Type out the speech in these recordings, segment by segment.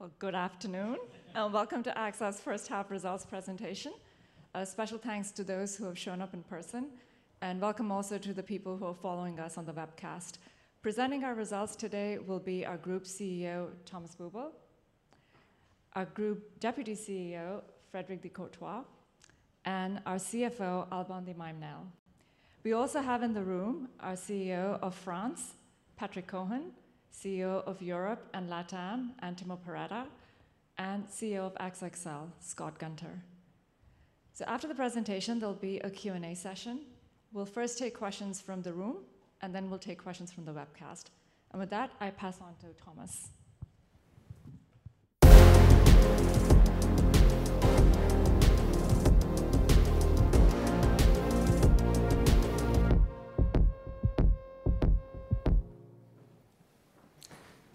Well, good afternoon and welcome to AXA's First Half Results Presentation. A special thanks to those who have shown up in person, and welcome also to the people who are following us on the webcast. Presenting our results today will be our Group CEO, Thomas Buberl, our Group Deputy CEO, Frédéric de Courtois, and our CFO, Alban de Mailly Nesle. We also have in the room our CEO of France, Patrick Cohen, CEO of Europe and LatAm, Antimo Perretta, and CEO of AXA XL, Scott Gunter. After the presentation, there'll be a Q&A session. We'll first take questions from the room, and then we'll take questions from the webcast. With that, I pass on to Thomas.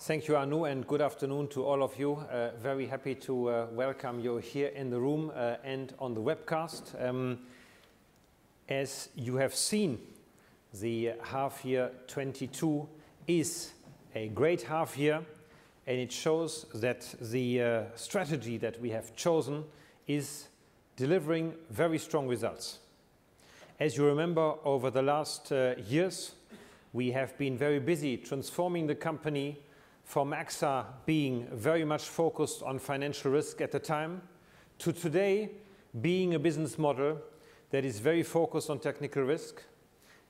Thank you, Anu, and good afternoon to all of you. Very happy to welcome you here in the room and on the webcast. As you have seen the half year 2022 is a great half year, and it shows that the strategy that we have chosen is delivering very strong results. As you remember over the last years, we have been very busy transforming the company from AXA being very much focused on financial risk at the time to today being a business model that is very focused on technical risk.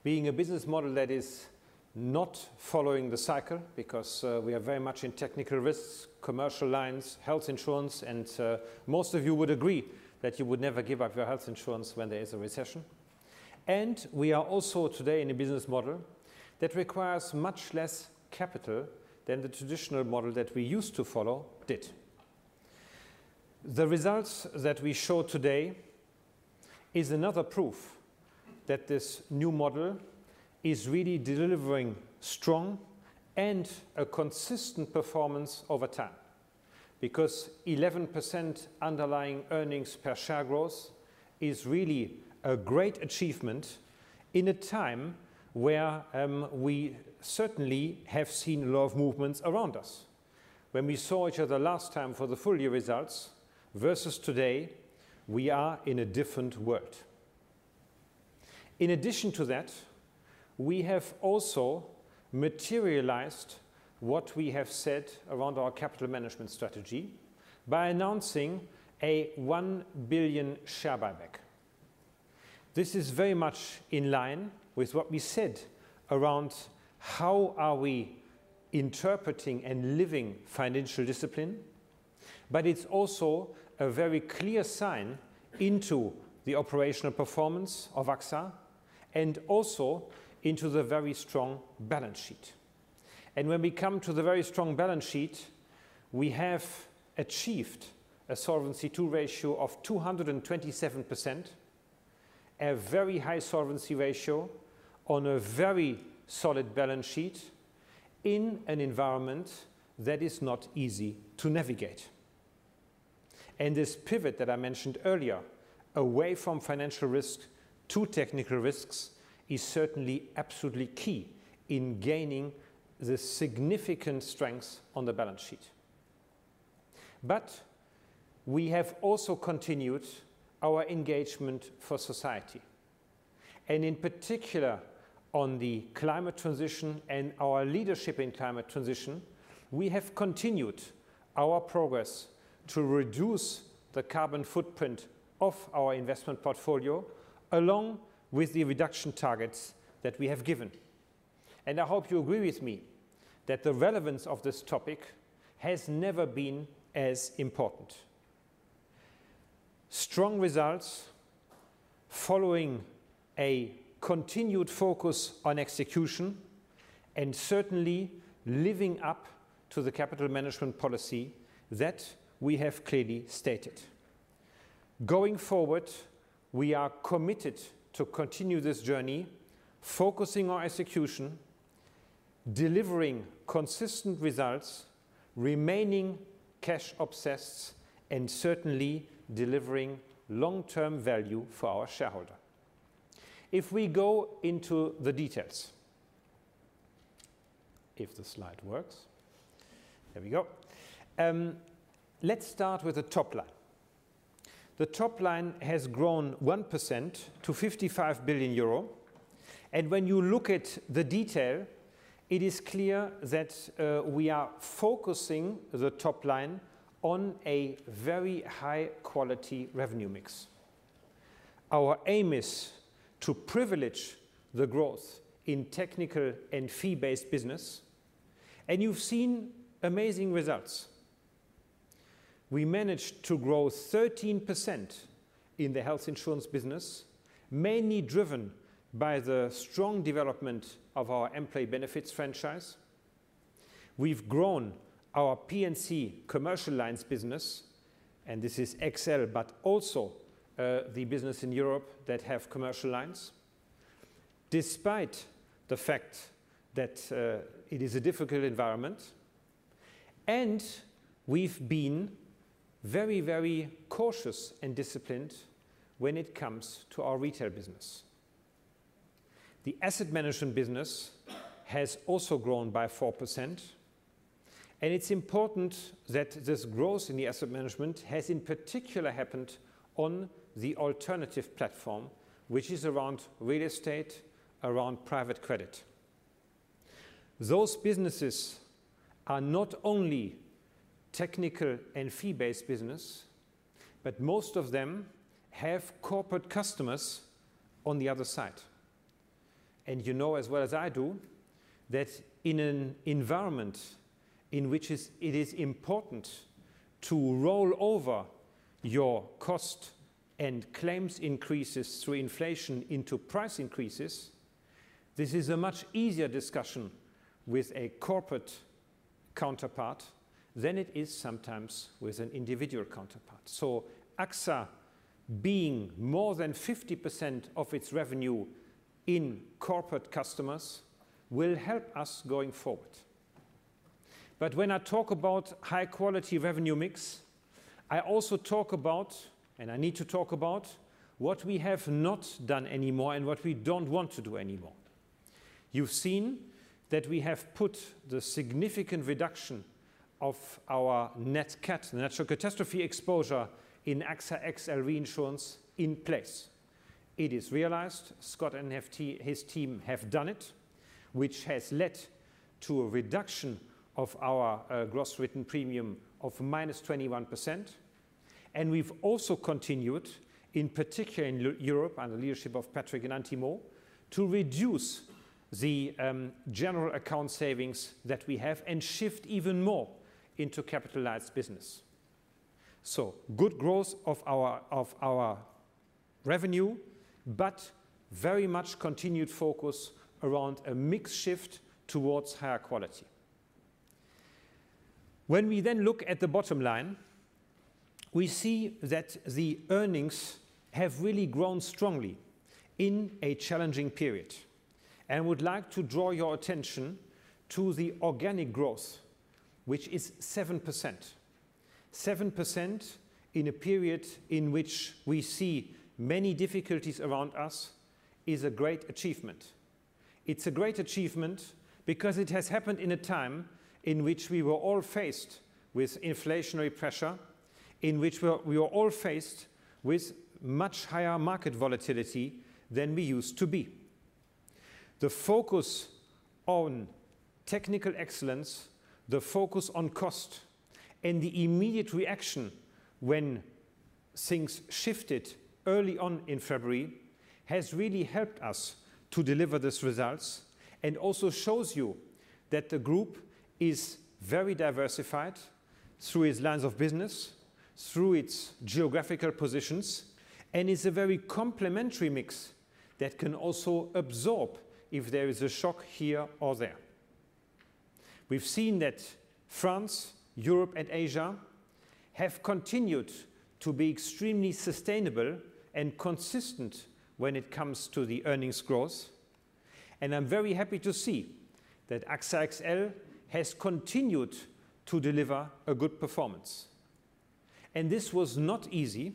Being a business model that is not following the cycle because we are very much in technical risks, commercial lines, health insurance, and most of you would agree that you would never give up your health insurance when there is a recession. We are also today in a business model that requires much less capital than the traditional model that we used to follow did. The results that we show today is another proof that this new model is really delivering strong and a consistent performance over time. Because 11% underlying earnings per share growth is really a great achievement in a time where we certainly have seen a lot of movements around us. When we saw each other last time for the full year results versus today, we are in a different world. In addition to that, we have also materialized what we have said around our capital management strategy by announcing a 1 billion share buyback. This is very much in line with what we said around how we are interpreting and living financial discipline, but it's also a very clear insight into the operational performance of AXA and also into the very strong balance sheet. When we come to the very strong balance sheet, we have achieved a Solvency II ratio of 227%, a very high solvency ratio on a very solid balance sheet in an environment that is not easy to navigate. This pivot that I mentioned earlier, away from financial risk to technical risks, is certainly absolutely key in gaining the significant strengths on the balance sheet. We have also continued our engagement for society. In particular, on the climate transition and our leadership in climate transition, we have continued our progress to reduce the carbon footprint of our investment portfolio along with the reduction targets that we have given. I hope you agree with me that the relevance of this topic has never been as important. Strong results following a continued focus on execution and certainly living up to the capital management policy that we have clearly stated. Going forward, we are committed to continue this journey, focusing on execution, delivering consistent results, remaining cash obsessed, and certainly delivering long-term value for our shareholder. If we go into the details. If the slide works. There we go. Let's start with the top line. The top line has grown 1% to 55 billion euro. When you look at the detail, it is clear that, we are focusing the top line on a very high quality revenue mix. Our aim is to privilege the growth in technical and fee-based business, and you've seen amazing results. We managed to grow 13% in the health insurance business, mainly driven by the strong development of our employee benefits franchise. We've grown our P&C Commercial lines business, and this is AXA XL but also, the business in Europe that have Commercial lines despite the fact that, it is a difficult environment. We've been very, very cautious and disciplined when it comes to our retail Asset Management business has also grown by 4%. It's important that this growth in Asset Management has in particular happened on the Alternative Platform, which is around real estate, around private credit. Those businesses are not only technical and fee-based business, but most of them have corporate customers on the other side. You know as well as I do that in an environment, it is important to roll over your cost and claims increases through inflation into price increases, this is a much easier discussion with a corporate counterpart than it is sometimes with an individual counterpart. AXA, being more than 50% of its revenue in corporate customers, will help us going forward. When I talk about high quality revenue mix, I also talk about, and I need to talk about, what we have not done anymore and what we don't want to do anymore. You've seen that we have put the significant reduction of our net cat, natural catastrophe exposure, in AXA XL Reinsurance in place. It is realized, Scott Gunter and his team have done it, which has led to a reduction of our gross written premium of -21%. We've also continued, in particular in Europe, under the leadership of Patrick Cohen and Antimo Perretta, to reduce the general account savings that we have and shift even more into capitalized business. Good growth of our revenue, but very much continued focus around a mix shift towards higher quality. When we then look at the bottom line, we see that the earnings have really grown strongly in a challenging period. Would like to draw your attention to the organic growth, which is 7%. 7% in a period in which we see many difficulties around us is a great achievement. It's a great achievement because it has happened in a time in which we were all faced with inflationary pressure, in which we are all faced with much higher market volatility than we used to be. The focus on technical excellence, the focus on cost, and the immediate reaction when things shifted early on in February has really helped us to deliver these results and also shows you that the group is very diversified through its lines of business, through its geographical positions, and is a very complementary mix that can also absorb if there is a shock here or there. We've seen that France, Europe, and Asia have continued to be extremely sustainable and consistent when it comes to the earnings growth, and I'm very happy to see that AXA XL has continued to deliver a good performance. This was not easy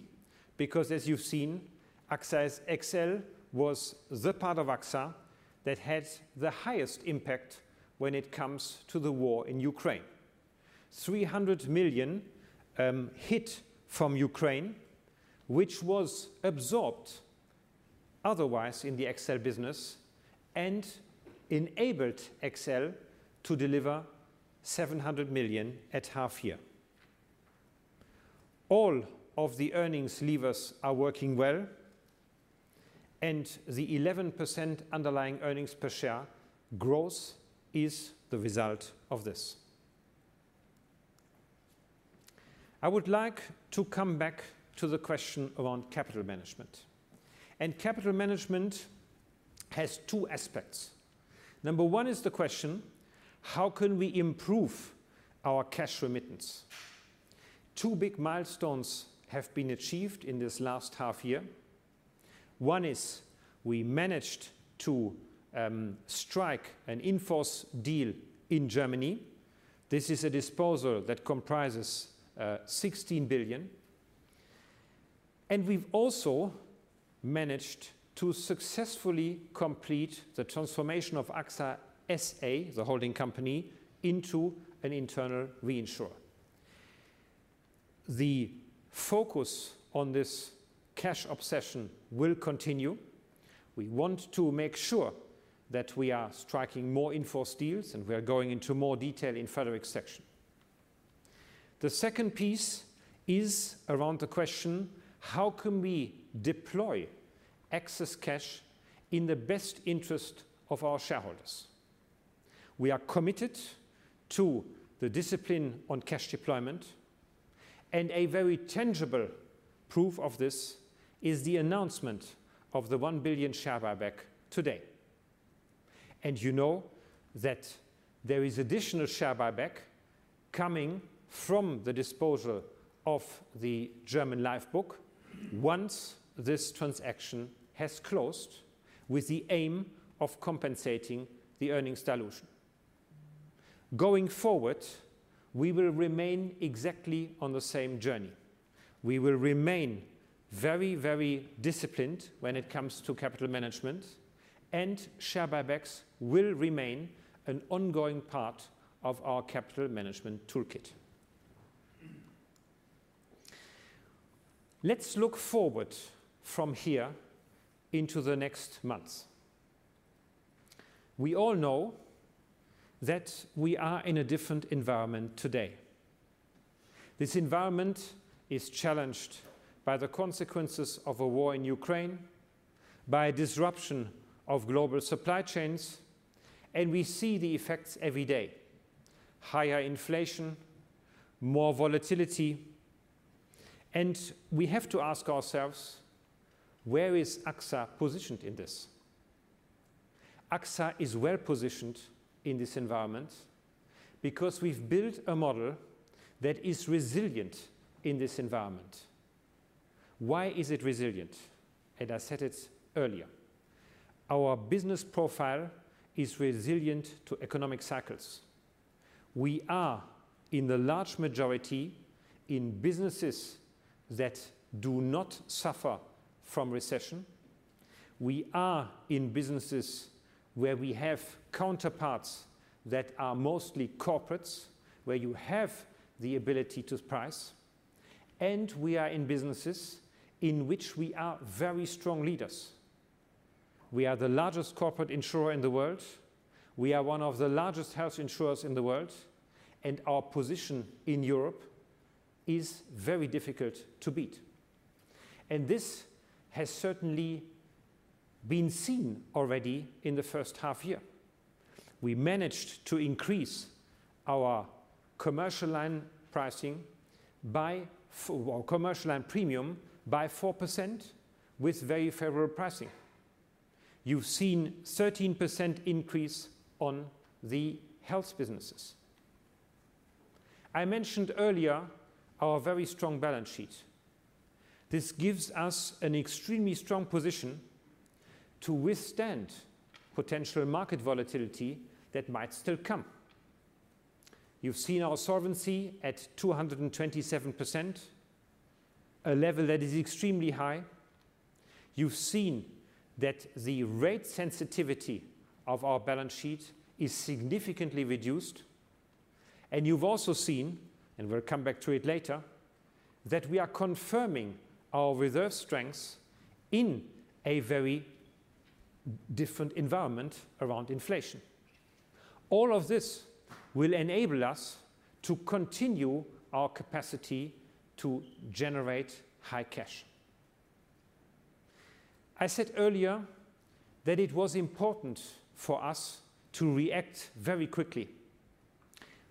because as you've seen, AXA XL was the part of AXA that had the highest impact when it comes to the war in Ukraine. 300 million hit from Ukraine, which was absorbed otherwise in the XL business and enabled XL to deliver 700 million at half year. All of the earnings levers are working well, and the 11% underlying earnings per share growth is the result of this. I would like to come back to the question around capital management. Capital management has two aspects. Number one is the question: how can we improve our cash remittance? Two big milestones have been achieved in this last half year. One is we managed to strike an in-force deal in Germany. This is a disposal that comprises 16 billion. We've also managed to successfully complete the transformation of AXA SA, the holding company, into an internal reinsurer. The focus on this cash obsession will continue. We want to make sure that we are striking more in-force deals, and we are going into more detail in Frédéric's section. The second piece is around the question, how can we deploy excess cash in the best interest of our shareholders? We are committed to the discipline on cash deployment, and a very tangible proof of this is the announcement of the 1 billion share buyback today. And you know that there is additional share buyback coming from the disposal of the German life book once this transaction has closed with the aim of compensating the earnings dilution. Going forward, we will remain exactly on the same journey. We will remain very, very disciplined when it comes to capital management, and share buybacks will remain an ongoing part of our capital management toolkit. Let's look forward from here into the next months. We all know that we are in a different environment today. This environment is challenged by the consequences of a war in Ukraine, by disruption of global supply chains, and we see the effects every day. Higher inflation, more volatility. We have to ask ourselves, where is AXA positioned in this? AXA is well positioned in this environment because we've built a model that is resilient in this environment. Why is it resilient? I said it earlier. Our business profile is resilient to economic cycles. We are in the large majority in businesses that do not suffer from recession. We are in businesses where we have counterparts that are mostly corporates, where you have the ability to price, and we are in businesses in which we are very strong leaders. We are the largest corporate insurer in the world. We are one of the largest health insurers in the world, and our position in Europe is very difficult to beat. This has certainly been seen already in the first half year. We managed to increase our commercial line pricing by, or commercial line premium by 4% with very favorable pricing. You've seen 13% increase on the health businesses. I mentioned earlier our very strong balance sheet. This gives us an extremely strong position to withstand potential market volatility that might still come. You've seen our solvency at 227%, a level that is extremely high. You've seen that the rate sensitivity of our balance sheet is significantly reduced, and you've also seen, and we'll come back to it later, that we are confirming our reserve strengths in a very different environment around inflation. All of this will enable us to continue our capacity to generate high cash. I said earlier that it was important for us to react very quickly.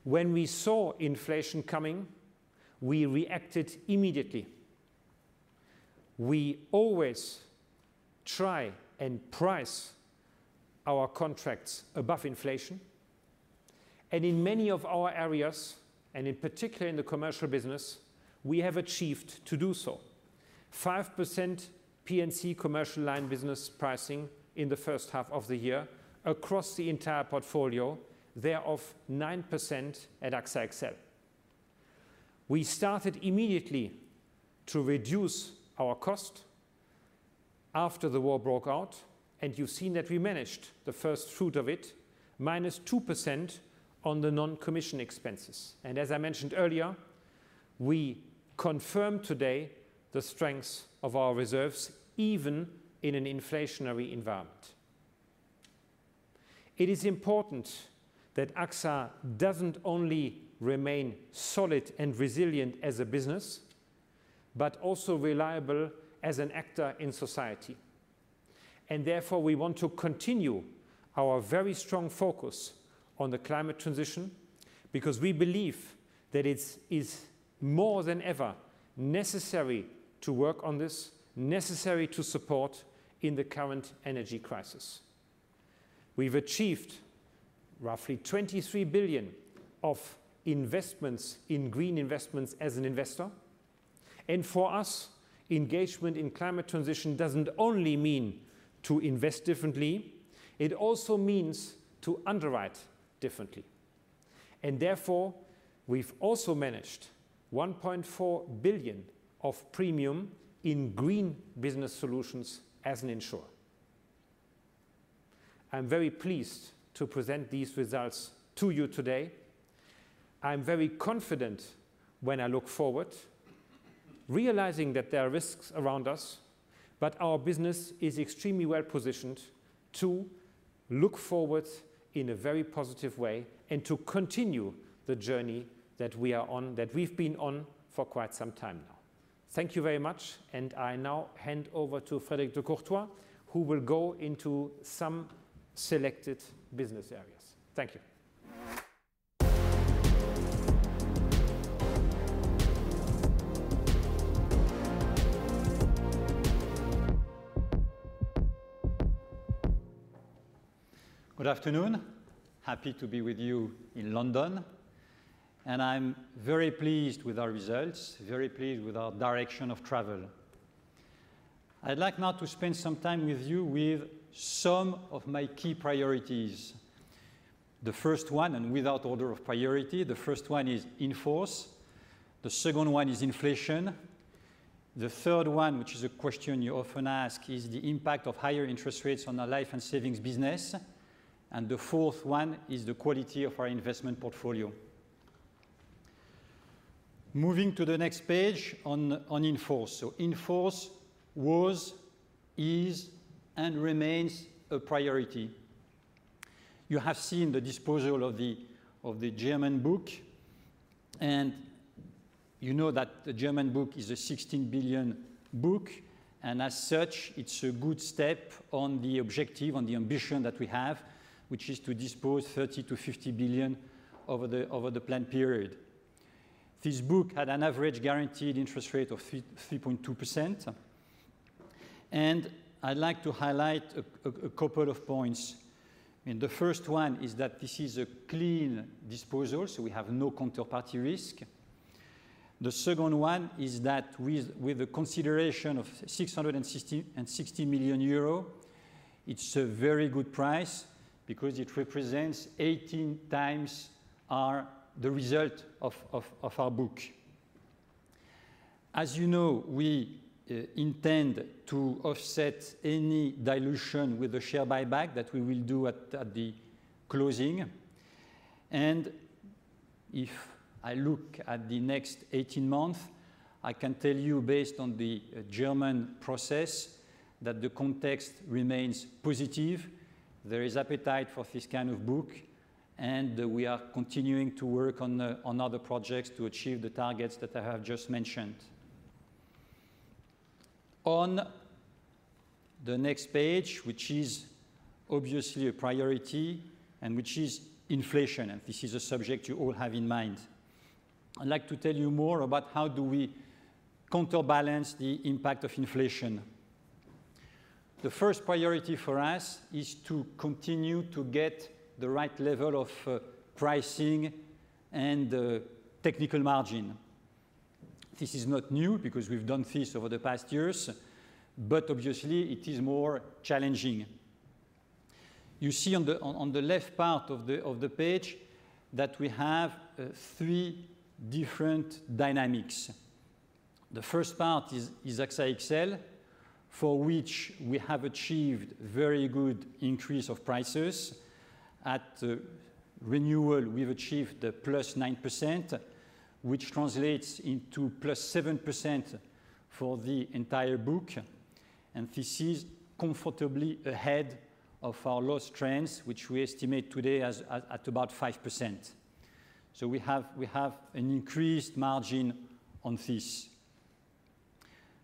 When we saw inflation coming, we reacted immediately. We always try and price our contracts above inflation. In many of our areas, and in particular in the commercial business, we have achieved to do so. 5% P&C commercial line business pricing in the first half of the year across the entire portfolio, thereof 9% at AXA XL. We started immediately to reduce our cost after the war broke out, and you've seen that we managed the first fruit of it, minus 2% on the non-commission expenses. As I mentioned earlier, we confirm today the strength of our reserves, even in an inflationary environment. It is important that AXA doesn't only remain solid and resilient as a business, but also reliable as an actor in society. Therefore, we want to continue our very strong focus on the climate transition because we believe that it is more than ever necessary to work on this, necessary to support in the current energy crisis. We've achieved roughly 23 billion of investments in green investments as an investor. For us, engagement in climate transition doesn't only mean to invest differently, it also means to underwrite differently. Therefore, we've also managed 1.4 billion of premium in green business solutions as an insurer. I'm very pleased to present these results to you today. I'm very confident when I look forward, realizing that there are risks around us, but our business is extremely well positioned to look forward in a very positive way and to continue the journey that we are on, that we've been on for quite some time now. Thank you very much, and I now hand over to Frédéric de Courtois, who will go into some selected business areas. Thank you. Good afternoon. Happy to be with you in London, and I'm very pleased with our results, very pleased with our direction of travel. I'd like now to spend some time with you with some of my key priorities. The first one, and without order of priority, the first one is in force. The second one is inflation. The third one, which is a question you often ask, is the impact of higher interest rates on our life and savings business. The fourth one is the quality of our investment portfolio. Moving to the next page on in force. In force was, is, and remains a priority. You have seen the disposal of the German book, and you know that the German book is a 16 billion book. As such, it's a good step on the objective, on the ambition that we have, which is to dispose 30 billion-50 billion over the planned period. This book had an average guaranteed interest rate of 3.2%. I'd like to highlight a couple of points, and the first one is that this is a clean disposal, so we have no counterparty risk. The second one is that with the consideration of 660 million euros, it's a very good price because it represents 18 times the result of our book. As you know, we intend to offset any dilution with the share buyback that we will do at the closing. If I look at the next eighteen months, I can tell you based on the German process that the context remains positive. There is appetite for this kind of book, and we are continuing to work on other projects to achieve the targets that I have just mentioned. On the next page, which is obviously a priority and which is inflation, and this is a subject you all have in mind. I'd like to tell you more about how do we counterbalance the impact of inflation. The first priority for us is to continue to get the right level of pricing and technical margin. This is not new because we've done this over the past years, but obviously it is more challenging. You see on the left part of the page that we have three different dynamics. The first part is AXA XL, for which we have achieved very good increase of prices. At renewal, we've achieved +9%, which translates into +7% for the entire book, and this is comfortably ahead of our loss trends, which we estimate today as at about 5%. We have an increased margin on this.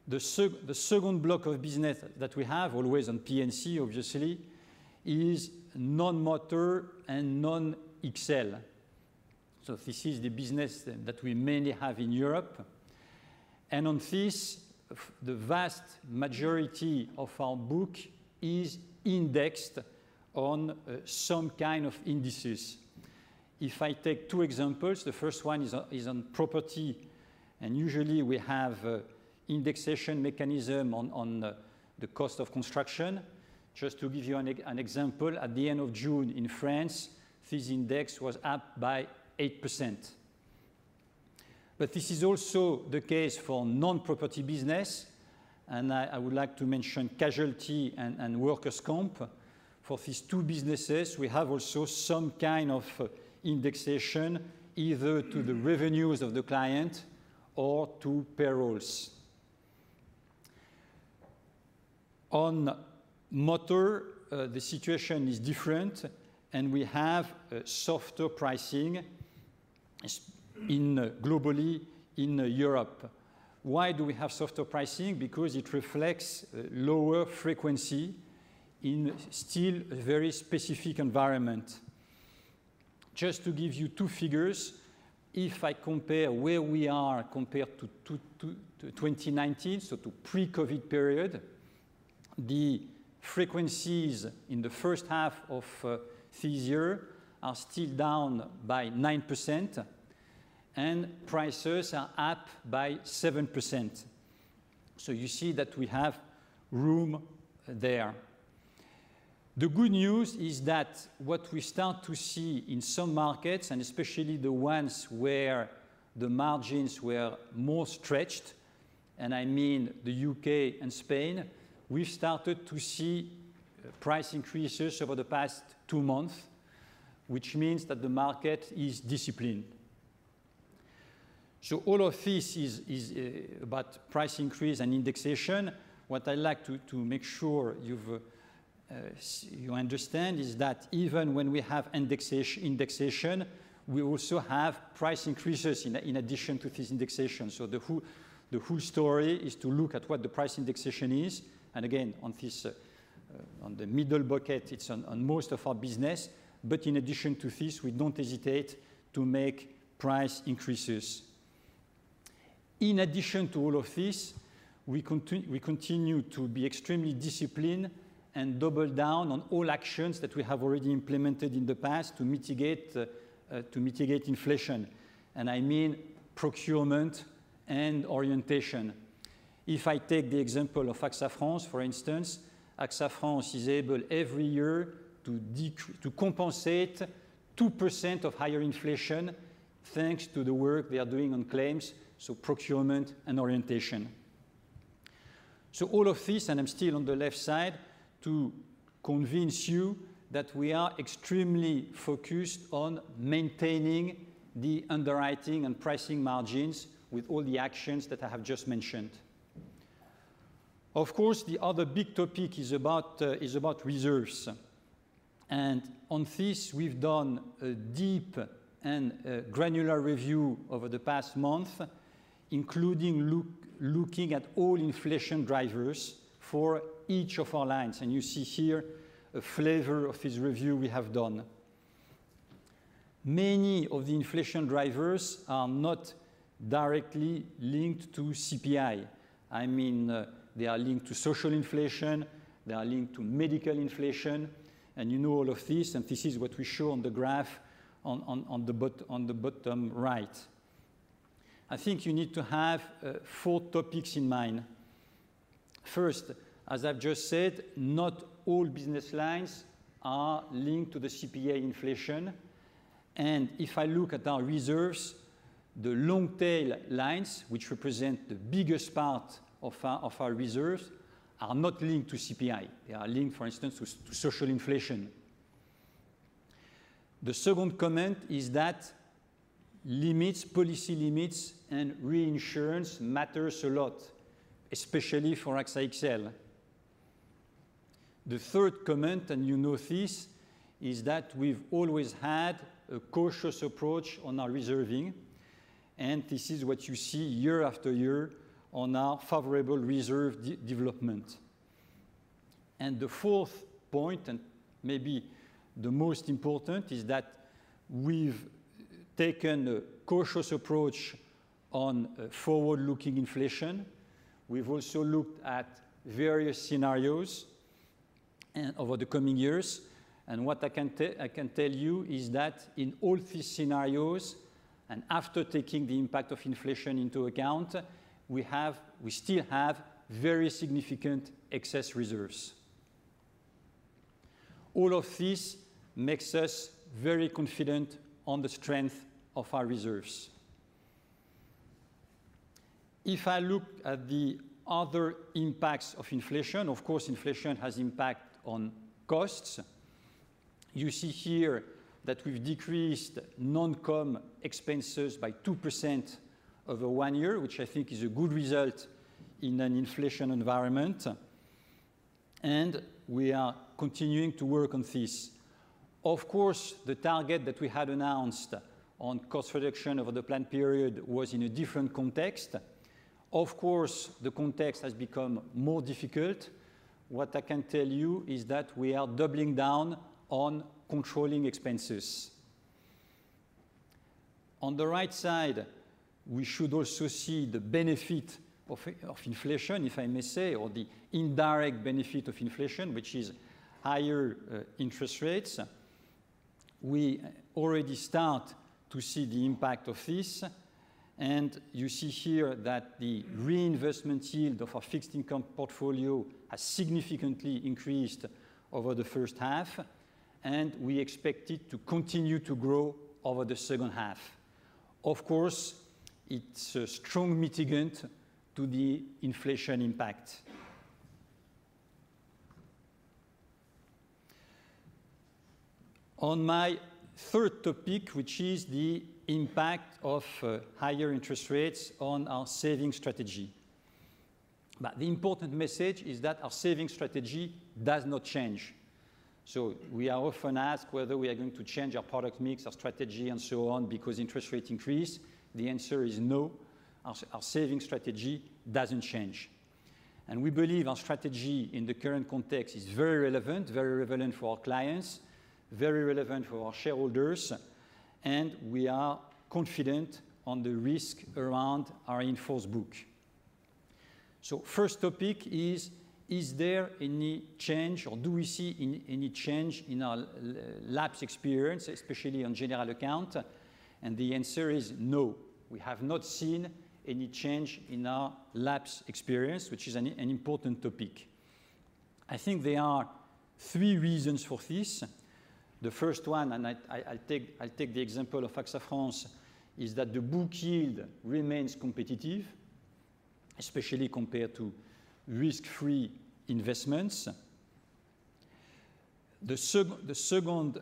The second block of business that we have always on P&C obviously is non-motor and non-XL. This is the business that we mainly have in Europe. On this, the vast majority of our book is indexed on some kind of indices. If I take two examples, the first one is on property, and usually we have indexation mechanism on the cost of construction. Just to give you an example, at the end of June in France, this index was up by 8%. This is also the case for non-property business, and I would like to mention casualty and workers' comp. For these two businesses, we have also some kind of indexation either to the revenues of the client or to payrolls. On motor, the situation is different, and we have softer pricing, globally in Europe. Why do we have softer pricing? Because it reflects lower frequency in still very specific environment. Just to give you two figures, if I compare where we are compared to 2019, so to pre-COVID period, the frequencies in the first half of this year are still down by 9% and prices are up by 7%. You see that we have room there. The good news is that what we start to see in some markets, and especially the ones where the margins were more stretched, and I mean the U.K. and Spain, we've started to see price increases over the past two months, which means that the market is disciplined. All of this is about price increase and indexation. What I like to make sure you understand is that even when we have indexation, we also have price increases in addition to this indexation. The whole story is to look at what the price indexation is, and again, on this, on the middle bucket, it's on most of our business. In addition to this, we don't hesitate to make price increases. In addition to all of this, we continue to be extremely disciplined and double down on all actions that we have already implemented in the past to mitigate inflation. I mean, procurement and orientation. If I take the example of AXA France, for instance, AXA France is able every year to compensate 2% of higher inflation thanks to the work they are doing on claims, so procurement and orientation. All of this, and I'm still on the left side, to convince you that we are extremely focused on maintaining the underwriting and pricing margins with all the actions that I have just mentioned. Of course, the other big topic is about reserves. On this, we've done a deep and granular review over the past month, including looking at all inflation drivers for each of our lines. You see here a flavor of this review we have done. Many of the inflation drivers are not directly linked to CPI. I mean, they are linked to social inflation, they are linked to medical inflation, and you know all of this, and this is what we show on the graph on the bottom right. I think you need to have four topics in mind. First, as I've just said, not all business lines are linked to the CPI inflation. If I look at our reserves, the long tail lines, which represent the biggest part of our reserves, are not linked to CPI. They are linked, for instance, to social inflation. The second comment is that limits, policy limits and reinsurance matters a lot, especially for AXA XL. The third comment, and you know this, is that we've always had a cautious approach on our reserving, and this is what you see year after year on our favorable reserve development. The fourth point, and maybe the most important, is that we've taken a cautious approach on forward-looking inflation. We've also looked at various scenarios over the coming years. What I can tell you is that in all these scenarios, and after taking the impact of inflation into account, we have, we still have very significant excess reserves. All of this makes us very confident on the strength of our reserves. If I look at the other impacts of inflation, of course, inflation has impact on costs. You see here that we've decreased non-comm expenses by 2% over one year, which I think is a good result in an inflation environment. We are continuing to work on this. Of course, the target that we had announced on cost reduction over the planned period was in a different context. Of course, the context has become more difficult. What I can tell you is that we are doubling down on controlling expenses. On the right side, we should also see the benefit of inflation, if I may say, or the indirect benefit of inflation, which is higher interest rates. We already start to see the impact of this, and you see here that the reinvestment yield of our fixed income portfolio has significantly increased over the first half, and we expect it to continue to grow over the second half. Of course, it's a strong mitigant to the inflation impact. On my third topic, which is the impact of higher interest rates on our savings strategy. The important message is that our savings strategy does not change. We are often asked whether we are going to change our product mix, our strategy, and so on because interest rates increase. The answer is no. Our savings strategy doesn't change. We believe our strategy in the current context is very relevant, very relevant for our clients, very relevant for our shareholders, and we are confident on the risk around our in-force book. First topic is there any change or do we see any change in our lapse experience, especially on general account? The answer is no. We have not seen any change in our lapse experience, which is an important topic. I think there are three reasons for this. The first one, I'll take the example of AXA France, is that the book yield remains competitive, especially compared to risk-free investments. The second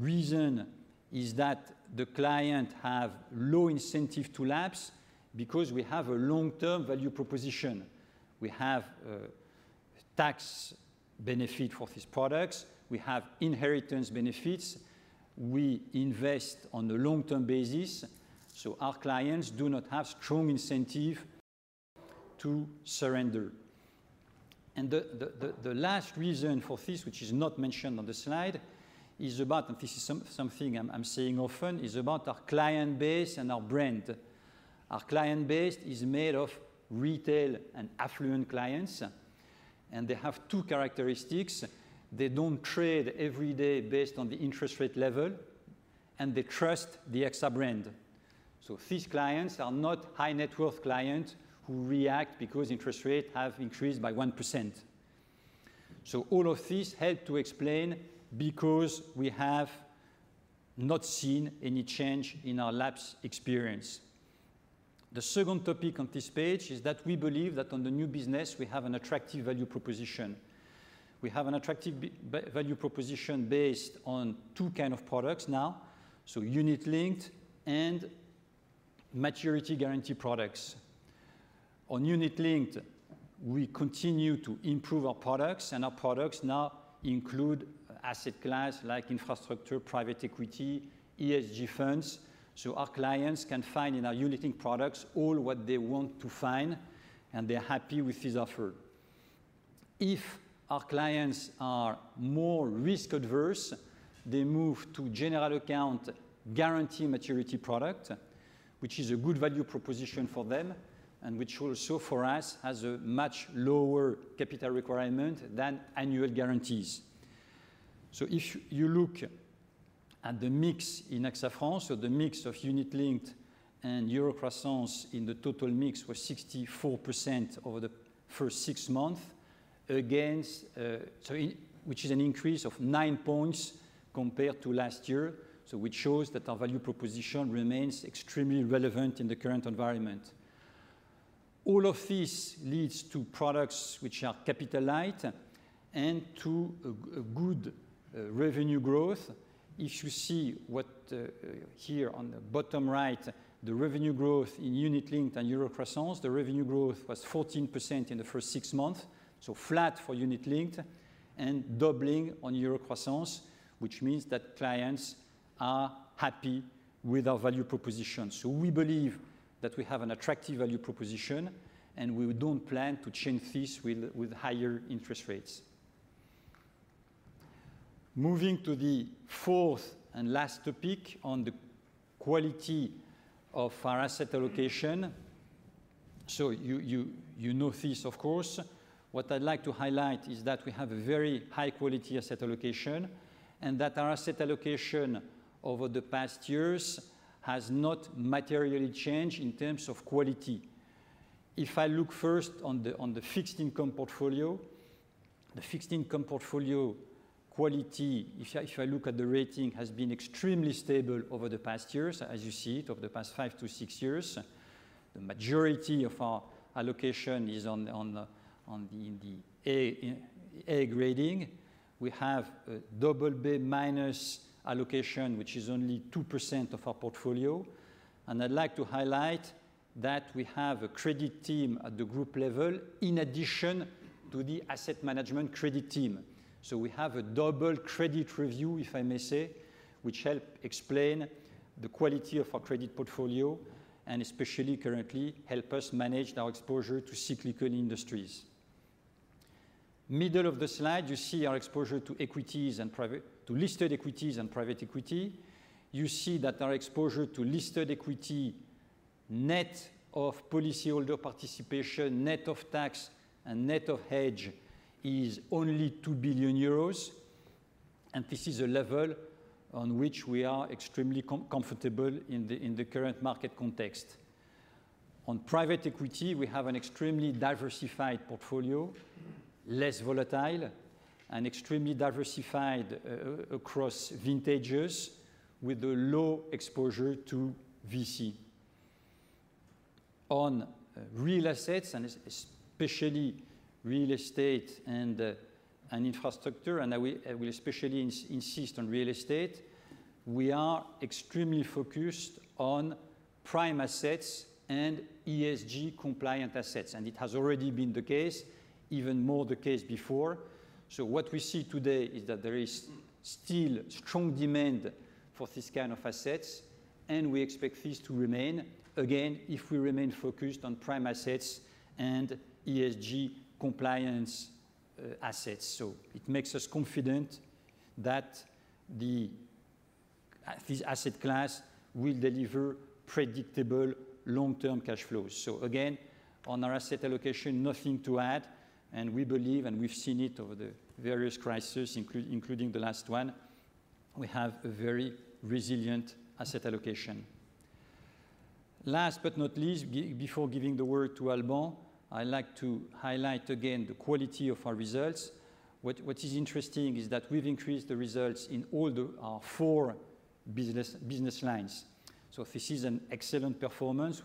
reason is that the client have low incentive to lapse because we have a long-term value proposition. We have tax benefit for these products. We have inheritance benefits. We invest on the long-term basis, so our clients do not have strong incentive to surrender. The last reason for this, which is not mentioned on the slide, is about our client base and our brand. This is something I'm saying often. Our client base is made of retail and affluent clients. They have two characteristics. They don't trade every day based on the interest rate level, and they trust the AXA brand. These clients are not high net worth clients who react because interest rates have increased by one percent. All of this helps to explain because we have not seen any change in our lapse experience. The second topic on this page is that we believe that on the new business, we have an attractive value proposition. We have an attractive value proposition based on two kinds of products now, unit-linked and maturity guarantee products. On unit-linked, we continue to improve our products, and our products now include asset class like infrastructure, private equity, ESG funds, so our clients can find in our unit-linked products all what they want to find, and they're happy with this offer. If our clients are more risk-averse, they move to general account guarantee maturity product, which is a good value proposition for them, and which also for us has a much lower capital requirement than annual guarantees. If you look at the mix in AXA France, the mix of unit-linked and Eurocroissance in the total mix was 64% over the first six months, which is an increase of 9 points compared to last year, which shows that our value proposition remains extremely relevant in the current environment. All of this leads to products which are capital light and to a good revenue growth. If you see what here on the bottom right, the revenue growth in unit-linked and Eurocroissance, the revenue growth was 14% in the first six months, so flat for unit-linked and doubling on Eurocroissance, which means that clients are happy with our value proposition. We believe that we have an attractive value proposition, and we don't plan to change this with higher interest rates. Moving to the fourth and last topic on the quality of our asset allocation. You know this of course. What I'd like to highlight is that we have a very high-quality asset allocation, and that our asset allocation over the past years has not materially changed in terms of quality. If I look first on the fixed income portfolio, the fixed income portfolio quality, look at the rating, has been extremely stable over the past years, as you see it, over the past 5-6 years. The majority of our allocation is in the AA grading. We have a BB- allocation, which is only 2% of our portfolio. I'd like to highlight that we have a credit team at the group level in addition to Asset Management credit team. We have a double credit review, if I may say, which help explain the quality of our credit portfolio, and especially currently help us manage our exposure to cyclical industries. Middle of the slide, you see our exposure to listed equities and private equity. You see that our exposure to listed equity, net of policyholder participation, net of tax, and net of hedge, is only 2 billion euros, and this is a level on which we are extremely comfortable in the current market context. On private equity, we have an extremely diversified portfolio, less volatile, and extremely diversified across vintages with a low exposure to VC. On real assets, and especially real estate and infrastructure, and I will especially insist on real estate, we are extremely focused on prime assets and ESG-compliant assets, and it has already been the case, even more the case before. What we see today is that there is still strong demand for this kind of assets, and we expect this to remain, again, if we remain focused on prime assets and ESG-compliant assets. It makes us confident that this asset class will deliver predictable long-term cash flows. Again, on our asset allocation, nothing to add. We believe, and we've seen it over the various crises, including the last one, we have a very resilient asset allocation. Last but not least, before giving the word to Alban, I like to highlight again the quality of our results. What is interesting is that we've increased the results in all our four business lines. This is an excellent performance.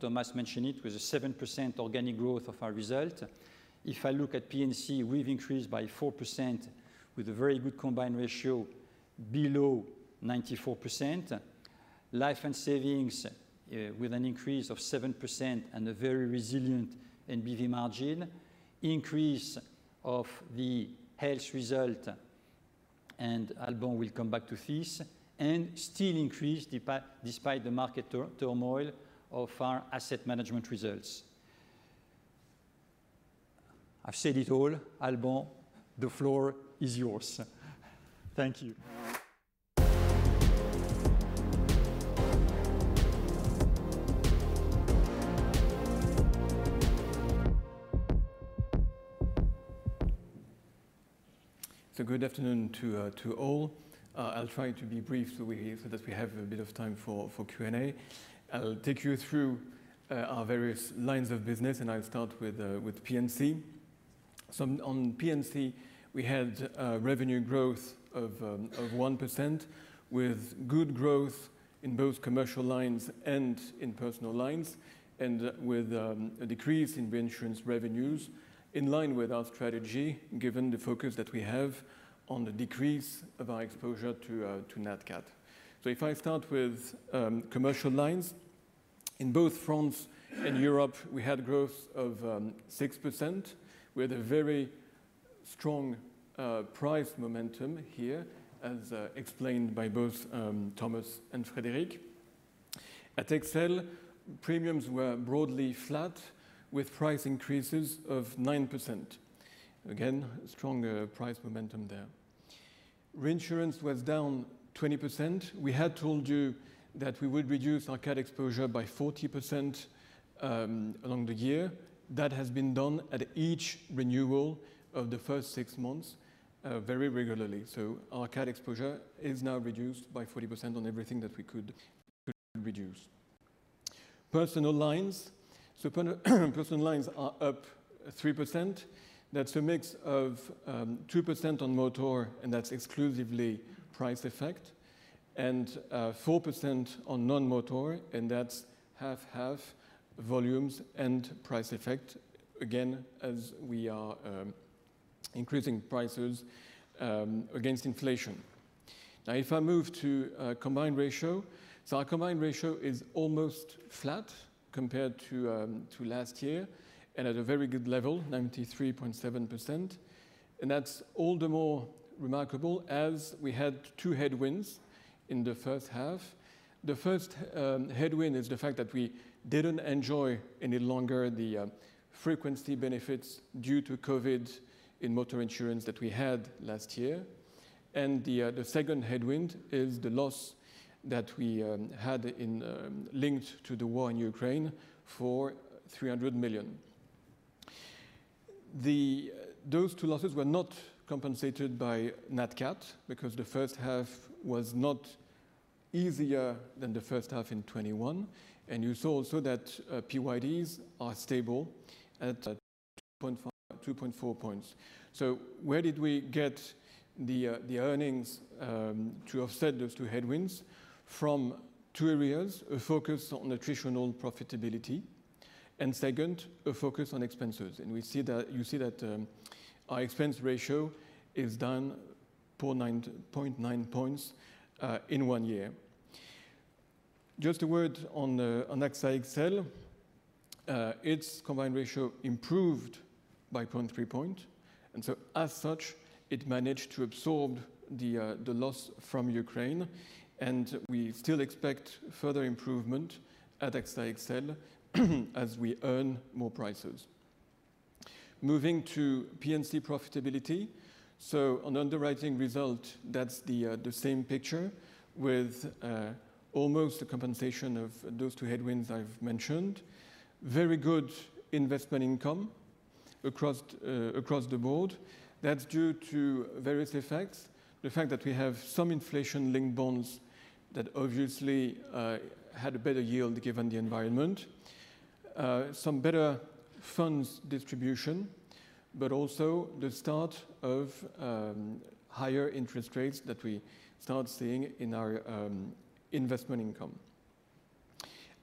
Thomas mentioned it, with a 7% organic growth of our result. If I look at P&C, we've increased by 4% with a very good combined ratio below 94%. Life and savings, with an increase of 7% and a very resilient NBV margin. Increase of the health result, and Alban will come back to this, and still increase despite the market turmoil of Asset Management results. I've said it all. Alban, the floor is yours. Thank you. Good afternoon to all. I'll try to be brief so that we have a bit of time for Q&A. I'll take you through our various lines of business, and I'll start with P&C. On P&C, we had revenue growth of 1%, with good growth in both commercial lines and in personal lines, and with a decrease in reinsurance revenues in line with our strategy, given the focus that we have on the decrease of our exposure to Nat Cat. If I start with commercial lines, in both France and Europe, we had growth of 6%. We had a very strong price momentum here, as explained by both Thomas and Frédéric. At XL, premiums were broadly flat with price increases of 9%. Again, strong price momentum there. Reinsurance was down 20%. We had told you that we would reduce our cat exposure by 40% along the year. That has been done at each renewal of the first six months very regularly. Our cat exposure is now reduced by 40% on everything that we could reduce. Personal lines are up 3%. That's a mix of 2% on motor, and that's exclusively price effect, and 4% on non-motor, and that's half-half volumes and price effect, again, as we are increasing prices against inflation. Now, if I move to Combined Ratio. Our Combined Ratio is almost flat compared to last year, and at a very good level, 93.7%. That's all the more remarkable as we had two headwinds in the first half. The first headwind is the fact that we didn't enjoy any longer the frequency benefits due to COVID in motor insurance that we had last year. The second headwind is the loss that we had linked to the war in Ukraine for 300 million. Those two losses were not compensated by Nat Cat because the first half was not easier than the first half in 2021. You saw also that PYDs are stable at 2.5, 2.4 points. Where did we get the earnings to offset those two headwinds? From two areas, a focus on attritional profitability, and second, a focus on expenses. We see that, you see that, our expense ratio is down 4.9 points in one year. Just a word on AXA XL. Its combined ratio improved by 0.3 points, as such, it managed to absorb the loss from Ukraine, and we still expect further improvement at AXA XL as we earn more prices. Moving to P&C profitability. On underwriting result, that's the same picture with almost a compensation of those two headwinds I've mentioned. Very good investment income across the board. That's due to various effects. The fact that we have some inflation-linked bonds that obviously had a better yield given the environment. Some better funds distribution, but also the start of higher interest rates that we start seeing in our investment income.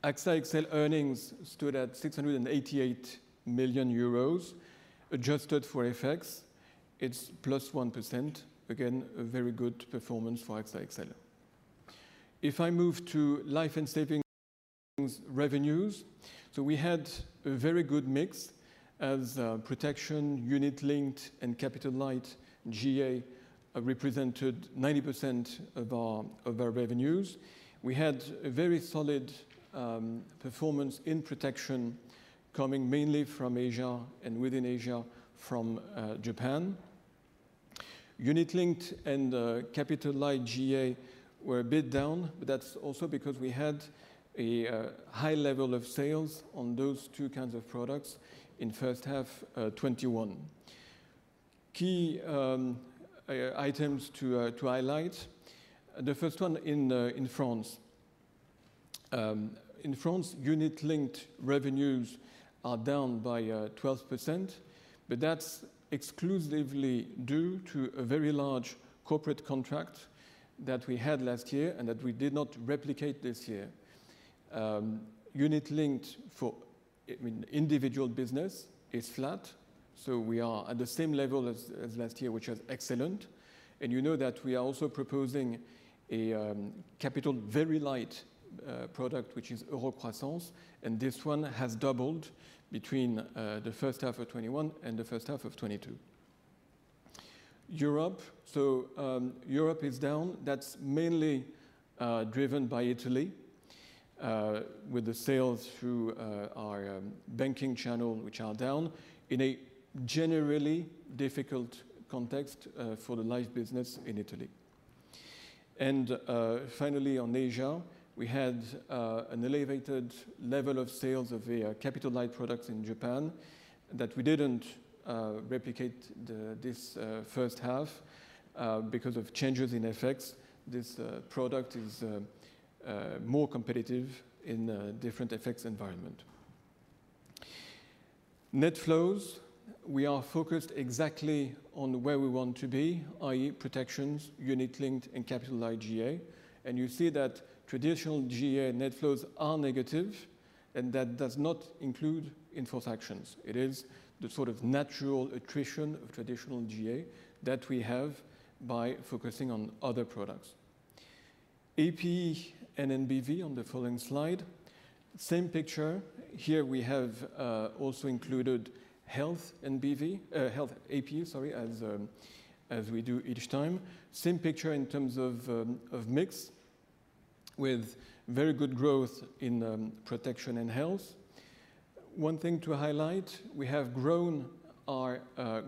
AXA XL earnings stood at 688 million euros. Adjusted for FX, it's +1%. Again, a very good performance for AXA XL. If I move to life and savings revenues. We had a very good mix as protection, unit-linked, and capital light GA represented 90% of our revenues. We had a very solid performance in protection coming mainly from Asia and within Asia from Japan. Unit-linked and capital light GA were a bit down, but that's also because we had a high level of sales on those two kinds of products in first half 2021. Key items to highlight. The first one in France. In France, unit-linked revenues are down by 12%, but that's exclusively due to a very large corporate contract that we had last year and that we did not replicate this year. Unit-linked for individual business is flat, so we are at the same level as last year, which was excellent. You know that we are also proposing a capital very light product, which is Eurocroissance, and this one has doubled between the first half of 2021 and the first half of 2022. Europe is down. That's mainly driven by Italy, with the sales through our banking channel, which are down in a generally difficult context for the life business in Italy. Finally on Asia, we had an elevated level of sales of the capital light products in Japan that we didn't replicate this first half because of changes in FX. This product is more competitive in a different FX environment. Net flows, we are focused exactly on where we want to be, i.e., protections, unit-linked, and capital light GA. You see that traditional GA net flows are negative, and that does not include inforce actions. It is the sort of natural attrition of traditional GA that we have by focusing on other products. APE and NBV on the following slide, same picture. Here we have also included health APE, sorry, as we do each time. Same picture in terms of mix with very good growth in protection and health. One thing to highlight, we have grown our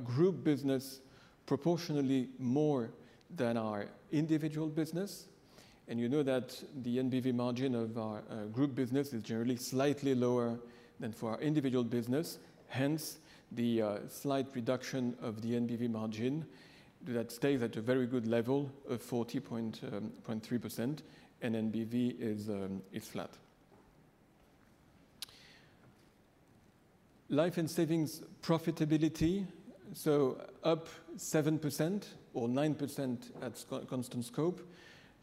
group business proportionally more than our individual business, and you know that the NBV margin of our group business is generally slightly lower than for our individual business. Hence, the slight reduction of the NBV margin that stays at a very good level of 40.3% and NBV is flat. Life and savings profitability up 7% or 9% at constant scope.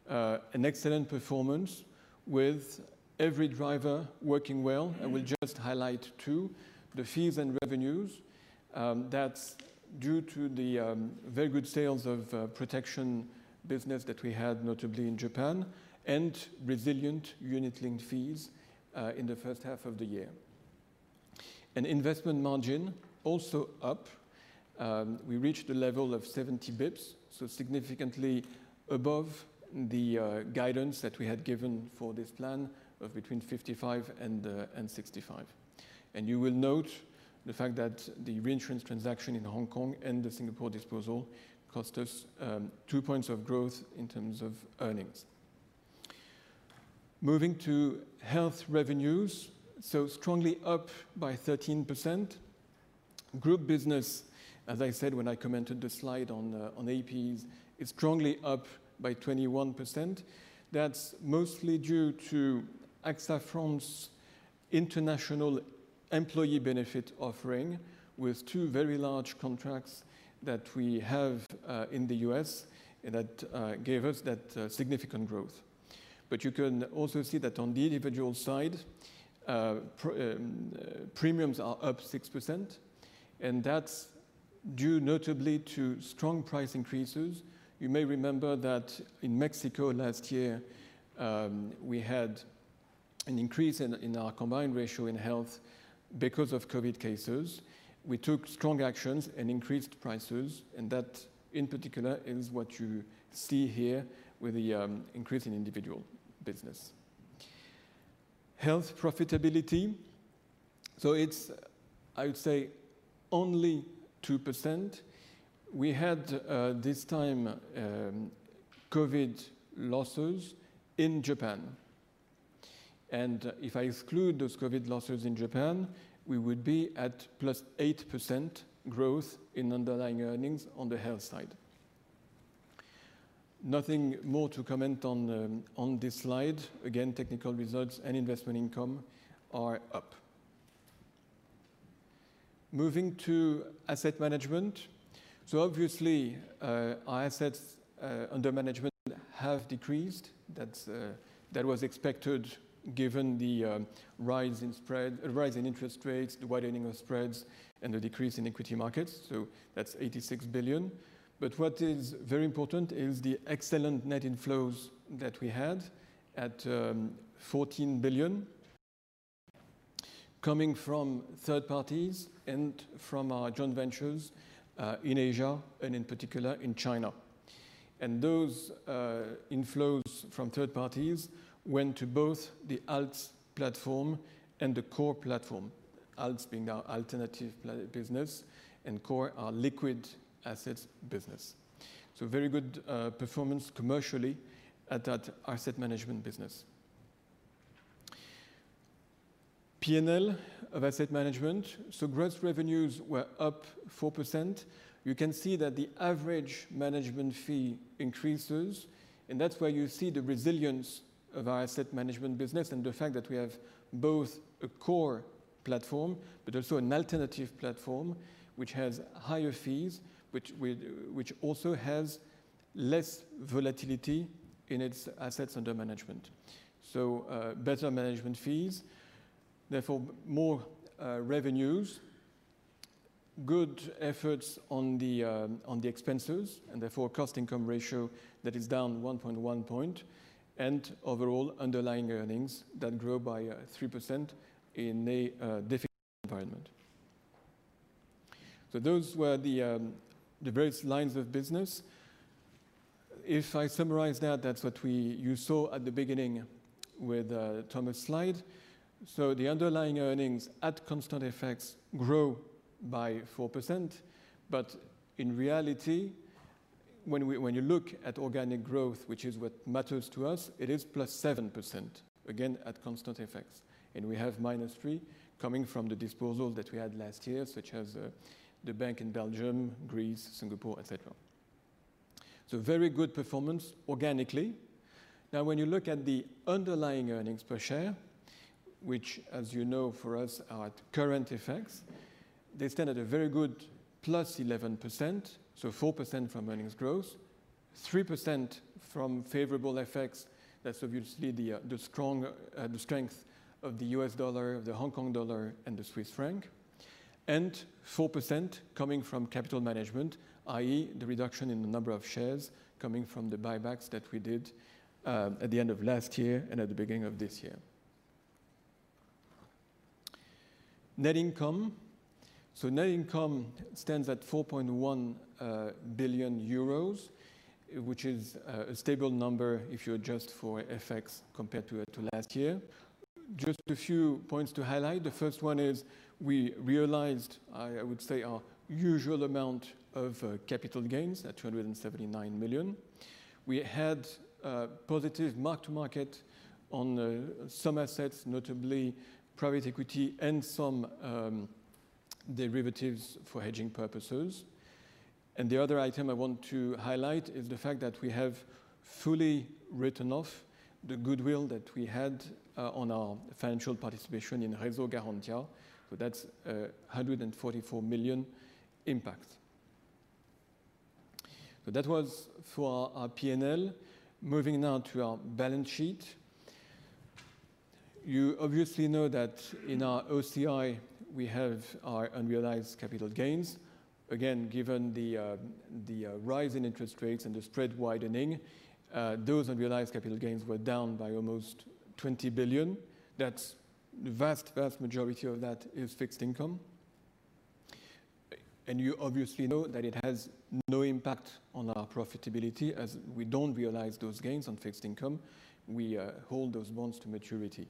An excellent performance with every driver working well. I will just highlight two, the fees and revenues. That's due to the very good sales of protection business that we had, notably in Japan, and resilient unit-linked fees in the first half of the year. Investment margin also up, we reached a level of 70 basis points, so significantly above the guidance that we had given for this plan of between 55 and 65. You will note the fact that the reinsurance transaction in Hong Kong and the Singapore disposal cost us 2 points of growth in terms of earnings. Moving to health revenues, so strongly up by 13%. Group business, as I said when I commented the slide on APEs, is strongly up by 21%. That's mostly due to AXA France international employee benefit offering with two very large contracts that we have in the U.S. that gave us that significant growth. You can also see that on the individual side, premiums are up 6%, and that's due notably to strong price increases. You may remember that in Mexico last year, we had an increase in our combined ratio in health because of COVID cases. We took strong actions and increased prices, and that in particular is what you see here with the increase in individual business. Health profitability, I would say, only 2%. We had this time COVID losses in Japan. If I exclude those COVID losses in Japan, we would be at +8% growth in underlying earnings on the health side. Nothing more to comment on This slide. Again, technical results and investment income are up. Moving to Asset Management. Obviously, our assets under management have decreased. That was expected given the rise in spread, rise in interest rates, the widening of spreads, and the decrease in equity markets. That's 86 billion. What is very important is the excellent net inflows that we had at 14 billion coming from third parties and from our joint ventures in Asia and in particular in China. Those inflows from third parties went to both the Alts platform and the Core platform, Alts being our alternative business and Core, our liquid assets business. Very good performance commercially at Asset Management business. P&L Asset Management. gross revenues were up 4%. You can see that the average management fee increases, and that's where you see the resilience of Asset Management business and the fact that we have both a Core platform, but also an alternative platform which has higher fees, which also has less volatility in its assets under management. Better management fees, therefore more revenues, good efforts on the expenses, and therefore cost-income ratio that is down 1 point, and overall underlying earnings that grow by 3% in a difficult environment. Those were the various lines of business. If I summarize now, that's what you saw at the beginning with Thomas' slide. Underlying earnings at constant FX grow by 4%, but in reality, when you look at organic growth, which is what matters to us, it is +7%, again, at constant FX. We have -3% coming from the disposal that we had last year, such as the bank in Belgium, Greece, Singapore, et cetera. Very good performance organically. Now, when you look at the underlying earnings per share, which as you know for us are at current FX, they stand at a very good +11%, so 4% from earnings growth, 3% from favorable FX. That's obviously the strength of the U.S. dollar, the Hong Kong dollar, and the Swiss franc, and 4% coming from capital management, i.e., the reduction in the number of shares coming from the buybacks that we did at the end of last year and at the beginning of this year. Net income stands at 4.1 billion euros, which is a stable number if you adjust for FX compared to last year. Just a few points to highlight. The first one is we realized, I would say, our usual amount of capital gains at 279 million. We had positive mark-to-market on some assets, notably private equity and some derivatives for hedging purposes. The other item I want to highlight is the fact that we have fully written off the goodwill that we had on our financial participation in Reso-Garantia. That's EUR 144 million impact. That was for our P&L. Moving now to our balance sheet. You obviously know that in our OCI, we have our unrealized capital gains. Again, given the rise in interest rates and the spread widening, those unrealized capital gains were down by almost 20 billion. That's the vast majority of that is fixed income. You obviously know that it has no impact on our profitability, as we don't realize those gains on fixed income. We hold those bonds to maturity.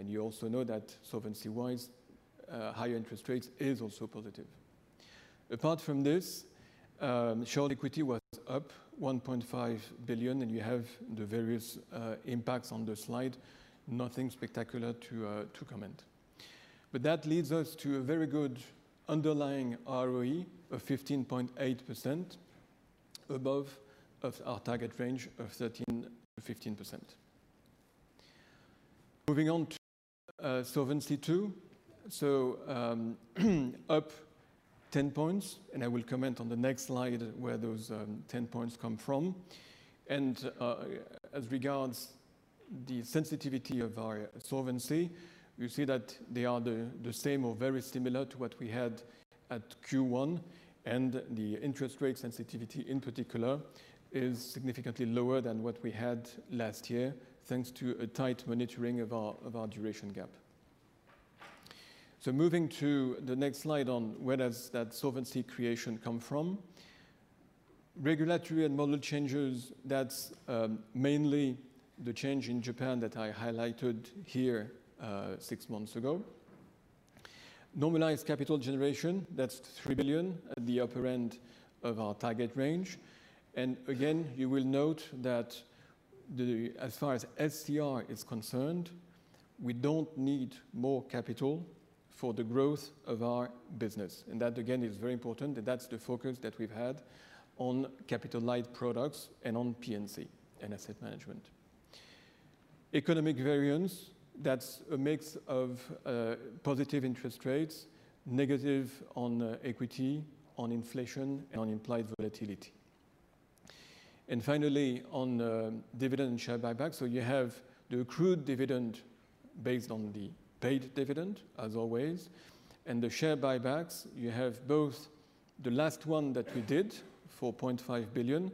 You also know that solvency-wise, higher interest rates is also positive. Apart from this, share equity was up 1.5 billion, and you have the various impacts on the slide. Nothing spectacular to comment. That leads us to a very good underlying ROE of 15.8%, above our target range of 13%-15%. Moving on to Solvency II. Up 10 points, and I will comment on the next slide where those 10 points come from. As regards the sensitivity of our solvency, you see that they are the same or very similar to what we had at Q1, and the interest rate sensitivity in particular is significantly lower than what we had last year, thanks to a tight monitoring of our duration gap. Moving to the next slide on where does that solvency creation come from. Regulatory and model changes, that's mainly the change in Japan that I highlighted here six months ago. Normalized capital generation, that's 3 billion at the upper end of our target range. Again, you will note that, as far as SCR is concerned, we don't need more capital for the growth of our business. That, again, is very important, and that's the focus that we've had on capital light products and on P&C Asset Management. economic variance, that's a mix of positive interest rates, negative on equity, on inflation, and on implied volatility. Finally, on dividend share buybacks. You have the accrued dividend based on the paid dividend, as always, and the share buybacks, you have both the last one that we did, 4.5 billion,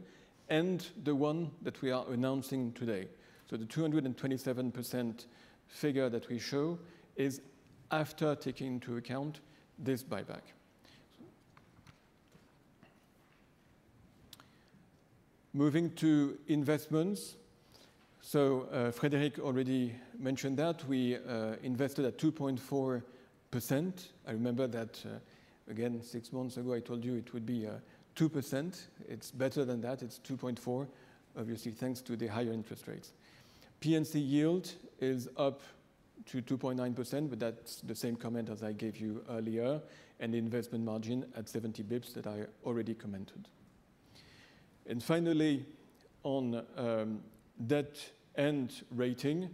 and the one that we are announcing today. The 227% figure that we show is after taking into account this buyback. Moving to investments. Frédéric already mentioned that we invested at 2.4%. I remember that, again, six months ago, I told you it would be 2%. It's better than that. It's 2.4, obviously thanks to the higher interest rates. P&C yield is up to 2.9%, but that's the same comment as I gave you earlier, and the investment margin at 70 basis points that I already commented. Finally, on debt and rating.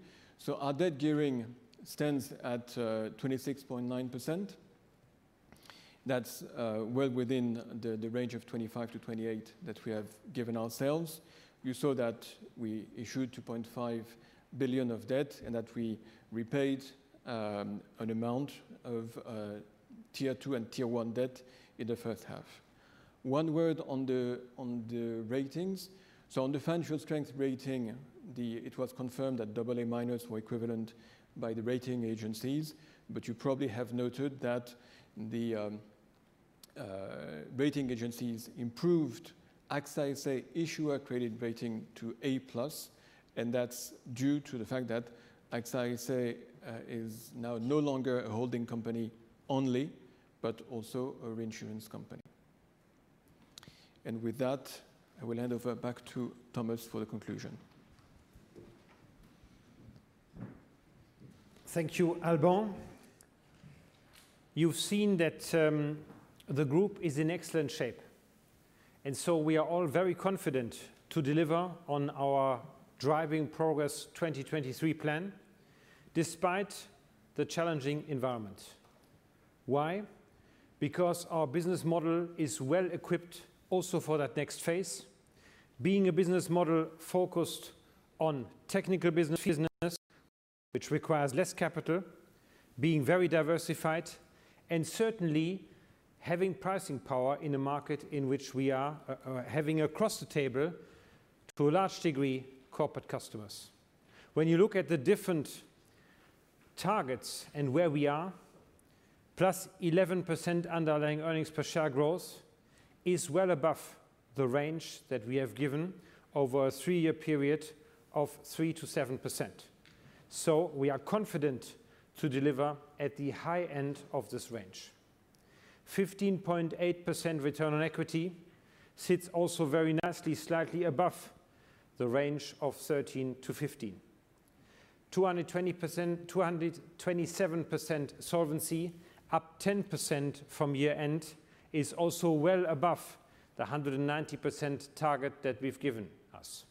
Our debt gearing stands at 26.9%. That's well within the range of 25%-28% that we have given ourselves. You saw that we issued 2.5 billion of debt and that we repaid an amount of Tier 2 and Tier 1 debt in the first half. One word on the ratings. On the financial strength rating, it was confirmed that AA- was equivalent by the rating agencies, but you probably have noted that the rating agencies improved AXA's issuer credit rating to A+, and that's due to the fact that AXA is now no longer a holding company only, but also a reinsurance company. With that, I will hand over back to Thomas for the conclusion. Thank you, Alban. You've seen that, the group is in excellent shape. We are all very confident to deliver on our Driving Progress 2023 plan despite the challenging environment. Why? Because our business model is well equipped also for that next phase. Being a business model focused on technical business, which requires less capital, being very diversified, and certainly having pricing power in a market in which we are, having across the table to a large degree corporate customers. When you look at the different targets and where we are, +11% underlying earnings per share growth is well above the range that we have given over a three-year period of 3%-7%. We are confident to deliver at the high end of this range. 15.8% return on equity sits also very nicely slightly above the range of 13%-15%. 220%, 227% solvency, up 10% from year-end is also well above the 190% target that we've given us.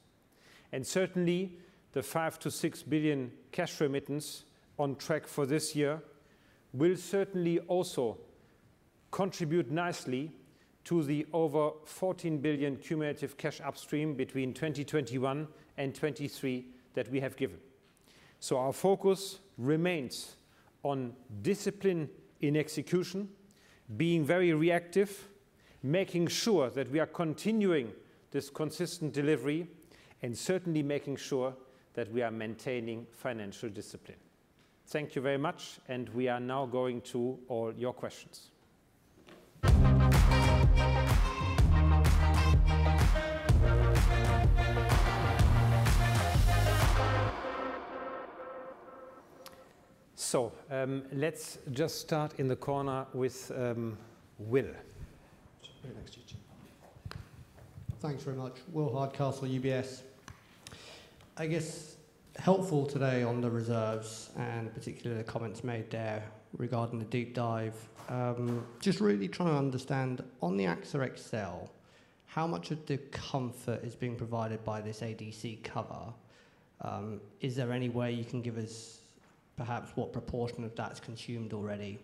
Certainly, the 5 billion-6 billion cash remittance on track for this year will certainly also contribute nicely to the over 14 billion cumulative cash upstream between 2021 and 2023 that we have given. Our focus remains on discipline in execution, being very reactive, making sure that we are continuing this consistent delivery, and certainly making sure that we are maintaining financial discipline. Thank you very much, and we are now going to all your questions. Let's just start in the corner with Will. Thanks very much. William Hardcastle, UBS. I guess helpful today on the reserves and particularly the comments made there regarding the deep dive. Just really trying to understand on the AXA XL, how much of the comfort is being provided by this ADC cover? Is there any way you can give us perhaps what proportion of that's consumed already?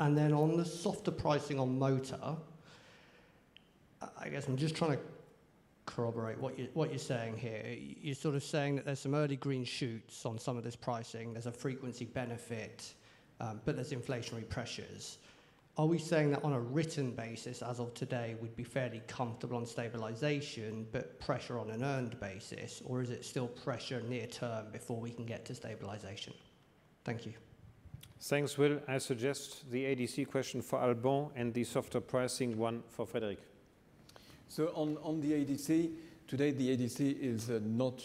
And then on the softer pricing on motor, I guess I'm just trying to corroborate what you're saying here. You're sort of saying that there's some early green shoots on some of this pricing. There's a frequency benefit, but there's inflationary pressures. Are we saying that on a written basis as of today would be fairly comfortable on stabilization but pressure on an earned basis, or is it still pressure near term before we can get to stabilization? Thank you. Thanks, Will. I suggest the ADC question for Alban and the softer pricing one for Frédéric. On the ADC, today the ADC is not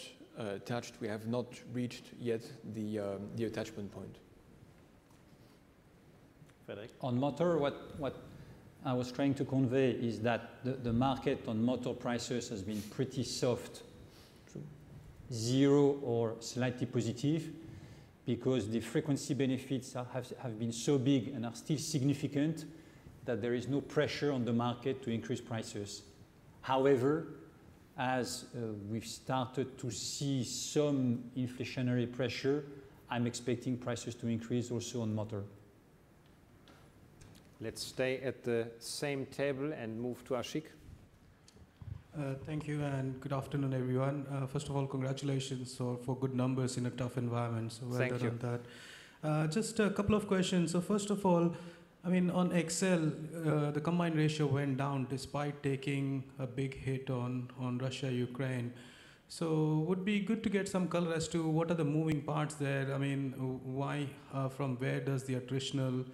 touched. We have not reached yet the attachment point. Frederic. On motor, what I was trying to convey is that the market on motor prices has been pretty soft. Zero or slightly positive because the frequency benefits have been so big and are still significant that there is no pressure on the market to increase prices. However, as we've started to see some inflationary pressure, I'm expecting prices to increase also on motor. Let's stay at the same table and move to Ashik. Thank you and good afternoon, everyone. First of all, congratulations for good numbers in a tough environment. Thank you. Well done on that. Just a couple of questions. First of all, I mean, on XL, the Combined Ratio went down despite taking a big hit on Russia, Ukraine. Would be good to get some color as to what are the moving parts there. I mean, why from where does the attritional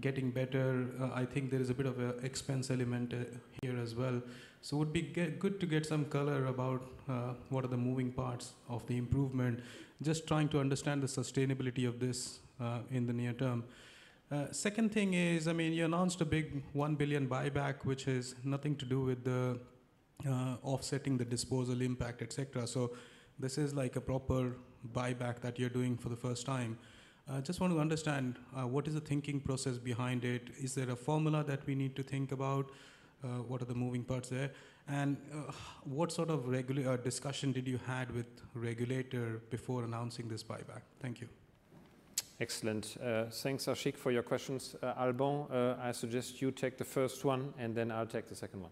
getting better? I think there is a bit of a expense element here as well. Would be good to get some color about what are the moving parts of the improvement. Just trying to understand the sustainability of this in the near term. Second thing is, I mean, you announced a big 1 billion buyback, which has nothing to do with the offsetting the disposal impact, et cetera. This is like a proper buyback that you're doing for the first time. I just want to understand what is the thinking process behind it? Is there a formula that we need to think about? What are the moving parts there? What sort of regulatory discussion did you had with regulator before announcing this buyback? Thank you. Excellent. Thanks, Ashik, for your questions. Alban, I suggest you take the first one, and then I'll take the second one.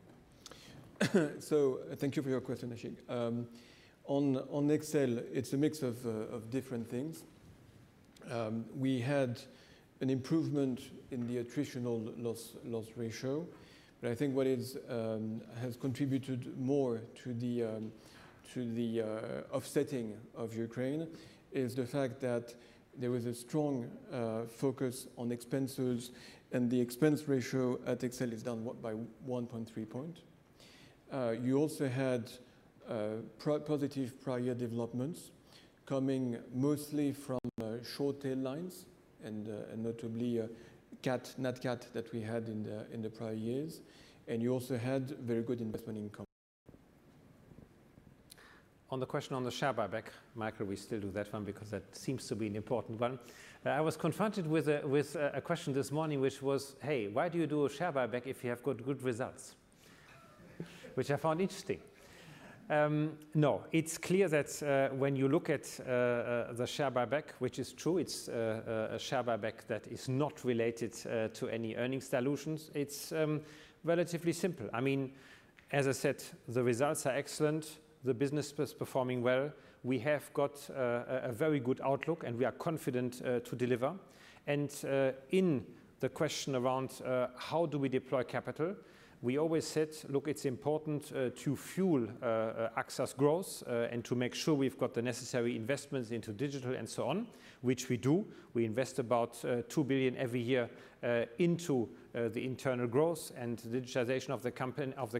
Thank you for your question, Ashik. On XL, it's a mix of different things. We had an improvement in the attritional loss ratio. I think what has contributed more to the offsetting of Ukraine is the fact that there was a strong focus on expenses and the expense ratio at AXA XL is down by 1.3 points. You also had positive prior developments coming mostly from short tail lines and notably a Nat Cat that we had in the prior years. You also had very good investment income. On the question on the share buyback. Michael, we still do that one because that seems to be an important one. I was confronted with a question this morning which was, "Hey, why do you do a share buyback if you have got good results?" Which I found interesting. No. It's clear that the share buyback, which is true, it's a share buyback that is not related to any earnings dilutions. It's relatively simple. I mean, as I said, the results are excellent. The business was performing well. We have got a very good outlook, and we are confident to deliver. In the question around how do we deploy capital? We always said, look, it's important to fuel AXA's growth and to make sure we've got the necessary investments into digital and so on. Which we do. We invest about 2 billion every year into the internal growth and digitalization of the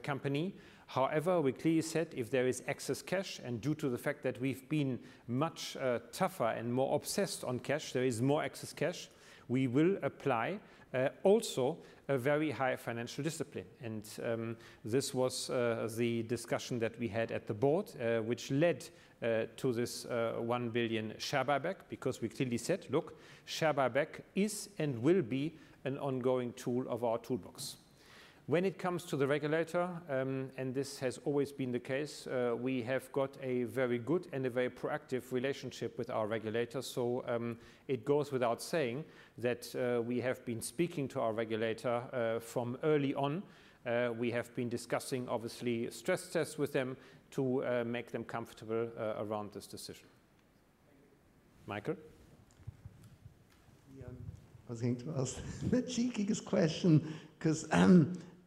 company. However, we clearly said if there is excess cash and due to the fact that we've been much tougher and more obsessed on cash, there is more excess cash. We will apply also a very high financial discipline. This was the discussion that we had at the board. Which led to this 1 billion share buyback because we clearly said, look, share buyback is and will be an ongoing tool of our toolbox. When it comes to the regulator, and this has always been the case, we have got a very good and a very proactive relationship with our regulators. It goes without saying that, we have been speaking to our regulator, from early on. We have been discussing obviously stress tests with them to make them comfortable around this decision. Thank you. Michael? I was going to ask the cheekiest question 'cause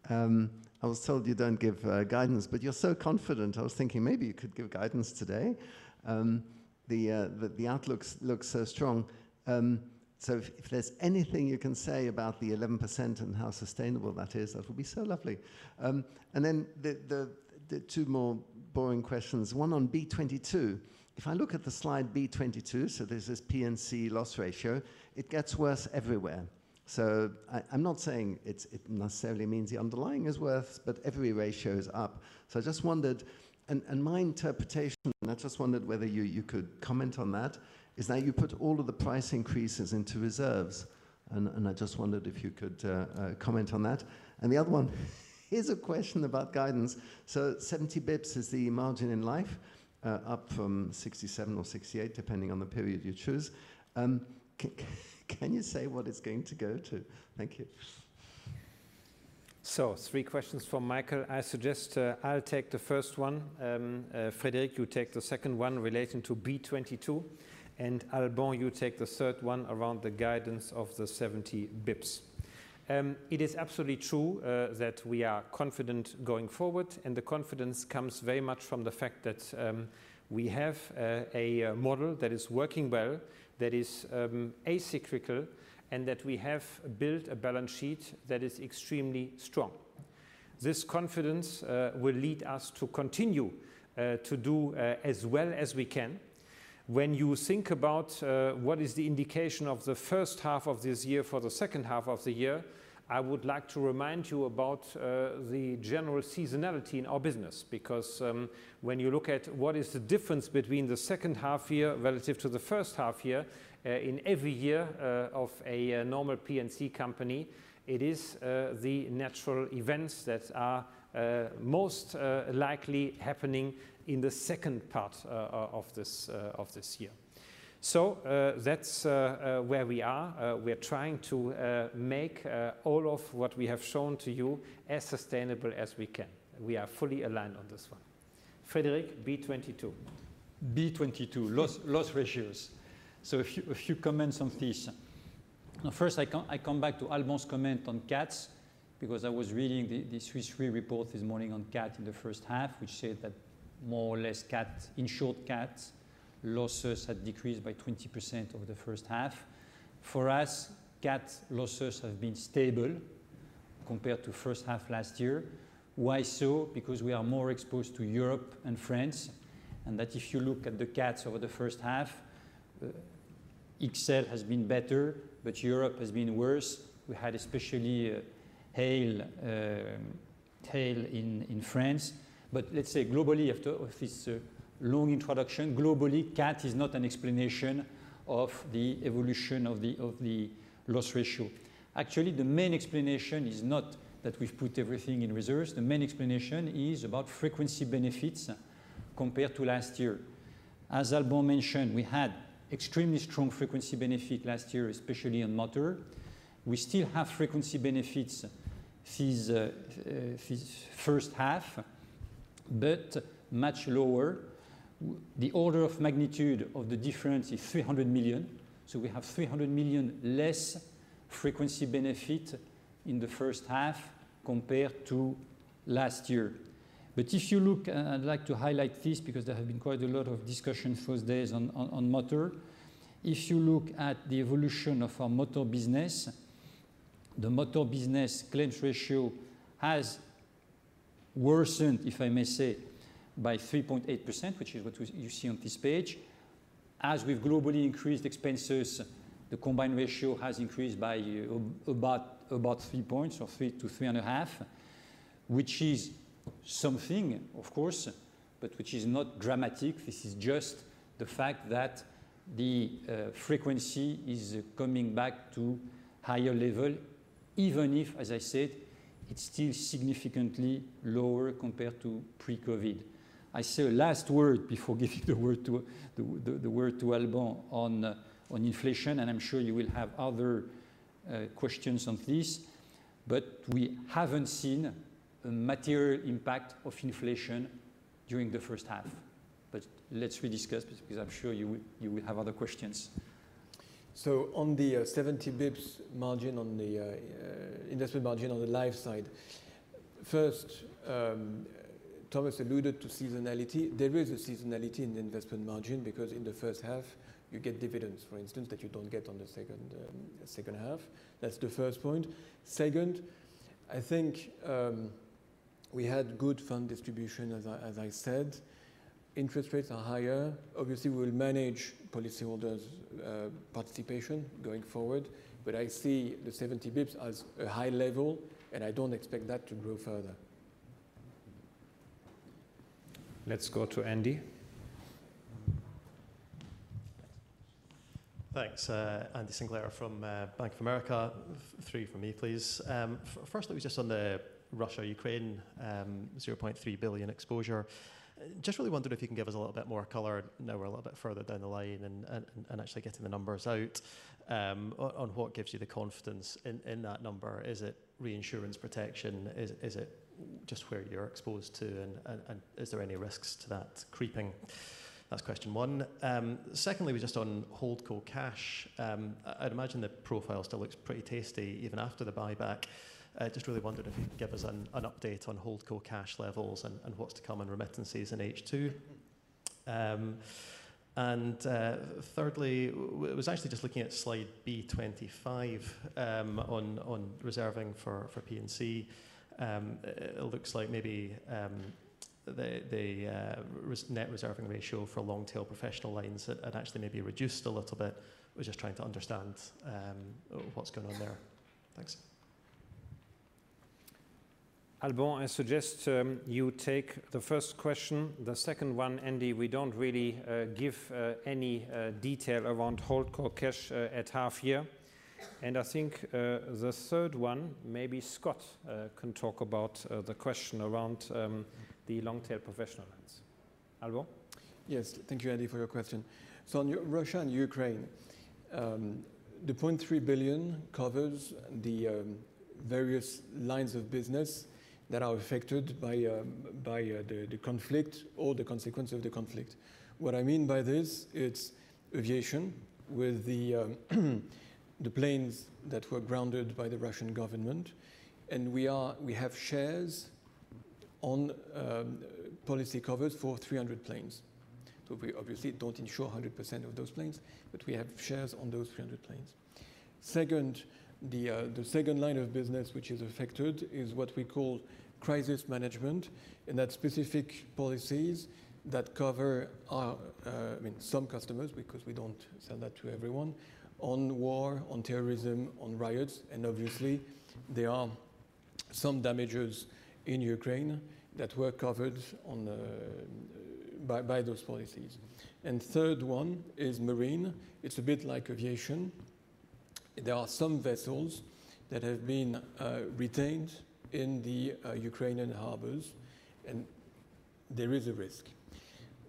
I was told you don't give guidance. You're so confident, I was thinking maybe you could give guidance today. The outlooks look so strong. If there's anything you can say about the 11% and how sustainable that is, that would be so lovely. And then the two more boring questions, one on B22. If I look at the slide B22, there's this P&C loss ratio, it gets worse everywhere. I’m not saying it necessarily means the underlying is worse, but every ratio is up. I just wondered, and my interpretation, and I just wondered whether you could comment on that, is that you put all of the price increases into reserves, and I just wondered if you could comment on that. The other one is a question about guidance. 70 basis points is the margin in life, up from 67 or 68, depending on the period you choose. Can you say what it's going to go to? Thank you. Three questions from Michael. I suggest I'll take the first one. Frédéric, you take the second one relating to B22. Alban, you take the third one around the guidance of 70 basis points. It is absolutely true that we are confident going forward, and the confidence comes very much from the fact that we have a model that is working well, that is, as such and that we have built a balance sheet that is extremely strong. This confidence will lead us to continue to do as well as we can. When you think about what is the indication of the first half of this year for the second half of the year, I would like to remind you about the general seasonality in our business. Because when you look at what is the difference between the second half year relative to the first half year in every year of a normal P&C company, it is the natural events that are most likely happening in the second part of this year. That's where we are. We are trying to make all of what we have shown to you as sustainable as we can. We are fully aligned on this one. Frédéric, B22. 2022 loss ratios. A few comments on this. First, I come back to Alban's comment on cats because I was reading the Swiss Re report this morning on cat in the first half, which said that more or less, in short, cats losses had decreased by 20% over the first half. For us, cat losses have been stable compared to first half last year. Why so? Because we are more exposed to Europe and France, and that if you look at the cats over the first half, AXA XL has been better, but Europe has been worse. We had especially hail in France. Let's say globally, after this long introduction, globally cat is not an explanation of the evolution of the loss ratio. Actually, the main explanation is not that we've put everything in reserves. The main explanation is about frequency benefits compared to last year. As Alban mentioned, we had extremely strong frequency benefit last year, especially on motor. We still have frequency benefits this first half. Much lower. The order of magnitude of the difference is 300 million. So we have 300 million less frequency benefit in the first half compared to last year. If you look, I'd like to highlight this because there have been quite a lot of discussion first days on motor. If you look at the evolution of our motor business, the motor business claims ratio has worsened, if I may say, by 3.8%, which is what you see on this page. As we've globally increased expenses, the Combined Ratio has increased by about 3 points or 3-3.5, which is something of course, but which is not dramatic. This is just the fact that the frequency is coming back to higher level, even if, as I said, it's still significantly lower compared to pre-COVID. I say a last word before giving the word to Alban on inflation, and I'm sure you will have other questions on this, but we haven't seen a material impact of inflation during the first half. Let's rediscuss because I'm sure you will have other questions. On the 70 basis points margin on the investment margin on the life side. First, Thomas alluded to seasonality. There is a seasonality in the investment margin because in the first half you get dividends, for instance, that you don't get on the second half. That's the first point. Second, I think, we had good fund distribution as I said. Interest rates are higher. Obviously, we'll manage policyholders' participation going forward, but I see the 70 basis points as a high level, and I don't expect that to grow further. Let's go to Andy. Thanks. Andrew Sinclair from Bank of America. Three from me, please. Firstly, just on the Russia-Ukraine, 0.3 billion exposure. Just really wondering if you can give us a little bit more color now we're a little bit further down the line and actually getting the numbers out, on what gives you the confidence in that number. Is it reinsurance protection? Is it just where you're exposed to and is there any risks to that creeping? That's question one. Secondly, just on HoldCo cash. I'd imagine the profile still looks pretty tasty even after the buyback. Just really wondered if you could give us an update on HoldCo cash levels and what's to come on remittances in H2. Thirdly, was actually just looking at slide B25, on reserving for P&C. It looks like maybe the net reserving ratio for long-tail professional lines had actually maybe reduced a little bit. Was just trying to understand what's going on there. Thanks. Alban, I suggest you take the first question. The second one, Andy, we don't really give any detail around HoldCo cash at half year. I think the third one, maybe Scott, can talk about the question around the long-tail professional lines. Alban? Yes. Thank you, Andy, for your question. On Russia and Ukraine, the 0.3 billion covers the various lines of business that are affected by the conflict or the consequence of the conflict. What I mean by this, it's aviation with the planes that were grounded by the Russian government, and we have shares on policy covers for 300 planes. We obviously don't insure 100% of those planes, but we have shares on those 300 planes. Second, the second line of business which is affected is what we call crisis management, and that's specific policies that cover, I mean, some customers, because we don't sell that to everyone, on war, on terrorism, on riots, and obviously there are some damages in Ukraine that were covered by those policies. Third one is marine. It's a bit like aviation. There are some vessels that have been retained in the Ukrainian harbors, and there is a risk.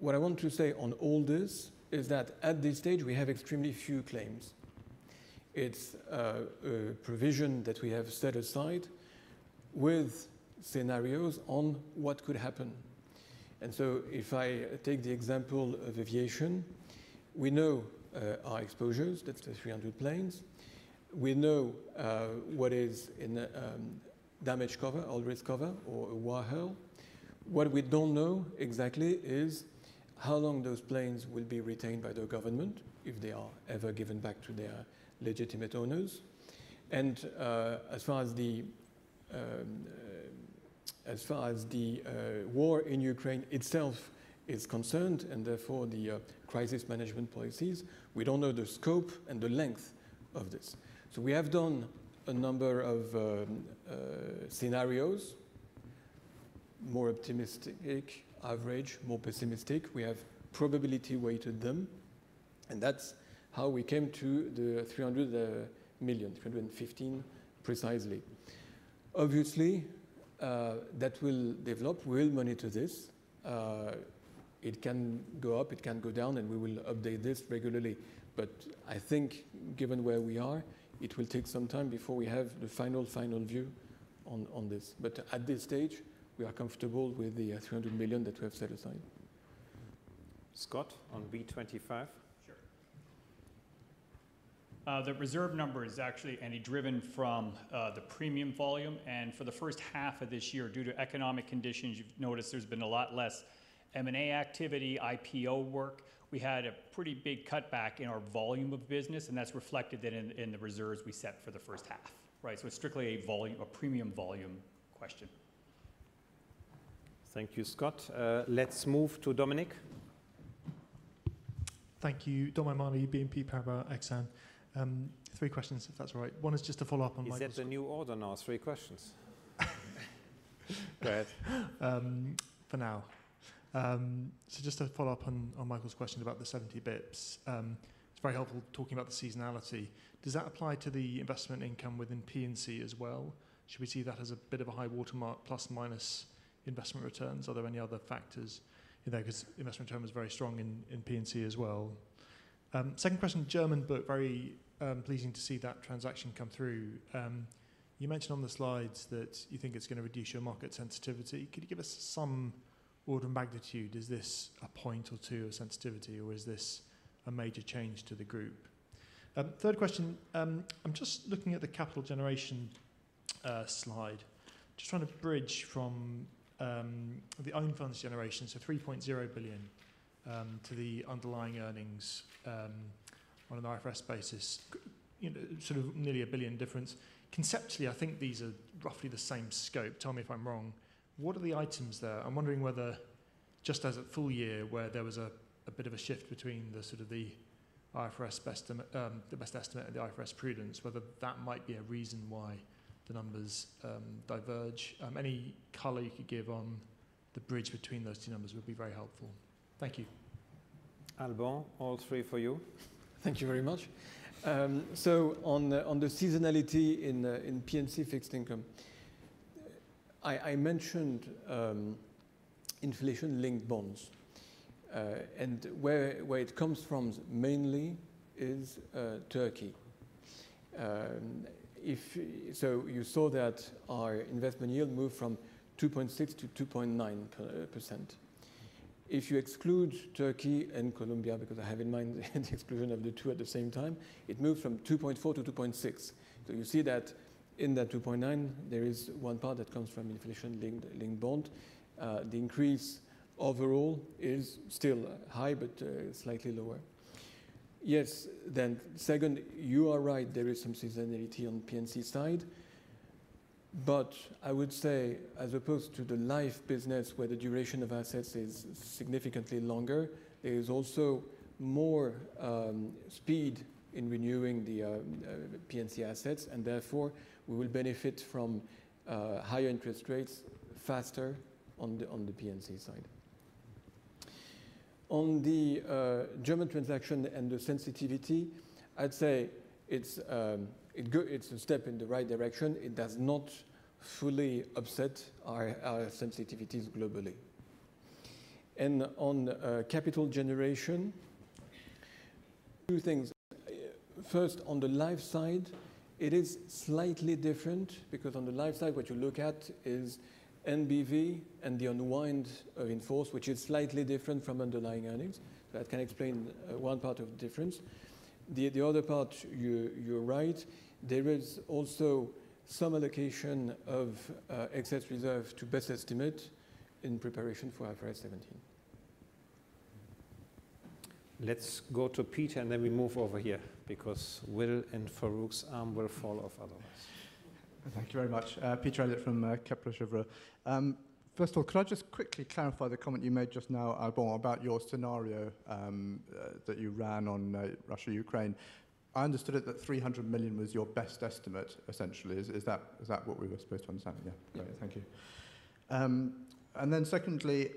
What I want to say on all this is that at this stage, we have extremely few claims. It's a provision that we have set aside with scenarios on what could happen. If I take the example of aviation, we know our exposures. That's the 300 planes. We know what is in damage cover, all risks cover or a war hull. What we don't know exactly is how long those planes will be retained by the government, if they are ever given back to their legitimate owners. As far as the war in Ukraine itself is concerned, and therefore the crisis management policies, we don't know the scope and the length of this. We have done a number of scenarios, more optimistic, average, more pessimistic. We have probability weighted them, and that's how we came to the 300 million, 315 million precisely. Obviously, that will develop. We'll monitor this. It can go up, it can go down, and we will update this regularly. I think given where we are, it will take some time before we have the final view on this. At this stage, we are comfortable with the 300 million that we have set aside. Scott, on B 25. Sure. The reserve number is actually, Andy, driven from the premium volume. For the first half of this year, due to economic conditions, you've noticed there's been a lot less M&A activity, IPO work. We had a pretty big cutback in our volume of business, and that's reflected then in the reserves we set for the first half. Right. It's strictly a premium volume question. Thank you, Scott. Let's move to Dominic. Thank you. Dominic O'Mahony, BNP Paribas Exane. Three questions, if that's all right. One is just a follow-up on Michael's- Is that the new order now, three questions? Go ahead. For now. Just to follow up on Michael's question about the 70 basis points. It's very helpful talking about the seasonality. Does that apply to the investment income within P&C as well? Should we see that as a bit of a high watermark, plus or minus investment returns? Are there any other factors in there? 'Cause investment return was very strong in P&C as well. Second question, German book, very pleasing to see that transaction come through. You mentioned on the slides that you think it's gonna reduce your market sensitivity. Could you give us some order of magnitude? Is this a point or two of sensitivity, or is this a major change to the group? Third question. I'm just looking at the capital generation slide. Just trying to bridge from the own funds generation, so 3 billion, to the underlying earnings on an IFRS basis. Okay, you know, sort of nearly 1 billion difference. Conceptually, I think these are roughly the same scope. Tell me if I'm wrong. What are the items there? I'm wondering whether just as at full year, where there was a bit of a shift between the sort of the best estimate of the IFRS prudence, whether that might be a reason why the numbers diverge. Any color you could give on the bridge between those two numbers would be very helpful. Thank you. Alban, all three for you. Thank you very much. On the seasonality in P&C fixed income, I mentioned inflation-linked bonds. Where it comes from mainly is Turkey. You saw that our investment yield moved from 2.6%-2.9%. If you exclude Turkey and Colombia, because I have in mind the exclusion of the two at the same time, it moved from 2.4%-2.6%. You see that in that 2.9%, there is one part that comes from inflation-linked bond. The increase overall is still high but slightly lower. Yes. Second, you are right, there is some seasonality on P&C side. I would say, as opposed to the life business where the duration of assets is significantly longer, there is also more speed in renewing the P&C assets, and therefore we will benefit from higher interest rates faster on the P&C side. On the German transaction and the sensitivity, I'd say it's a step in the right direction. It does not fully upset our sensitivities globally. On capital generation, two things. First, on the life side, it is slightly different because on the life side, what you look at is NBV and the unwind of in-force, which is slightly different from underlying earnings. That can explain one part of the difference. The other part, you're right. There is also some allocation of excess reserve to best estimate in preparation for IFRS 17. Let's go to Peter, and then we move over here because Will and Farooq's arm will fall off otherwise. Thank you very much. Peter Eliot from Kepler Cheuvreux. First of all, could I just quickly clarify the comment you made just now, Alban, about your scenario that you ran on Russia-Ukraine? I understood it that 300 million was your best estimate, essentially. Is that what we were supposed to understand? Yeah. Yeah. Great. Thank you. Secondly,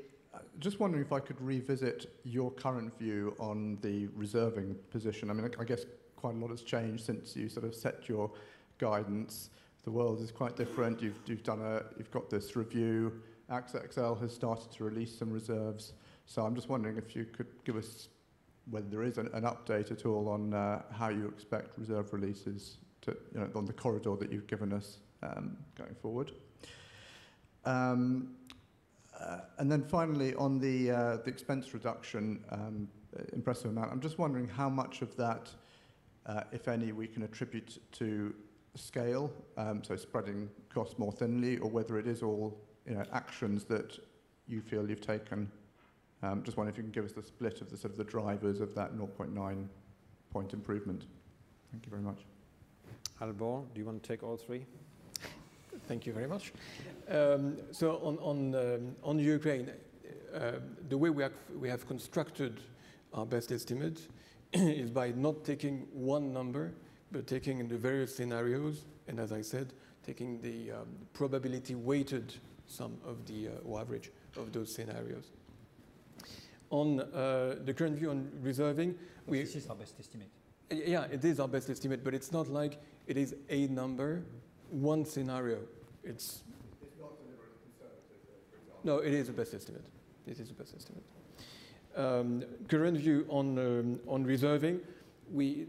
just wondering if I could revisit your current view on the reserving position. I mean, I guess quite a lot has changed since you sort of set your guidance. The world is quite different. You've got this review. AXA has started to release some reserves. I'm just wondering if you could give us whether there is an update at all on how you expect reserve releases to, you know, on the corridor that you've given us going forward. Finally on the expense reduction, impressive amount. I'm just wondering how much of that, if any, we can attribute to scale, so spreading costs more thinly, or whether it is all, you know, actions that you feel you've taken. Just wondering if you can give us the split of the sort of the drivers of that 0.9-point improvement. Thank you very much. Alban, do you want to take all three? Thank you very much. On Ukraine, the way we have constructed our best estimate is by not taking one number, but taking the various scenarios, and as I said, taking the probability weighted sum of the or average of those scenarios. On the current view on reserving, we What is your best estimate? Yeah, it is our best estimate, but it's not like it is a number, one scenario. It's not deliberately conservative, for example. No, it is a best estimate. Current view on reserving,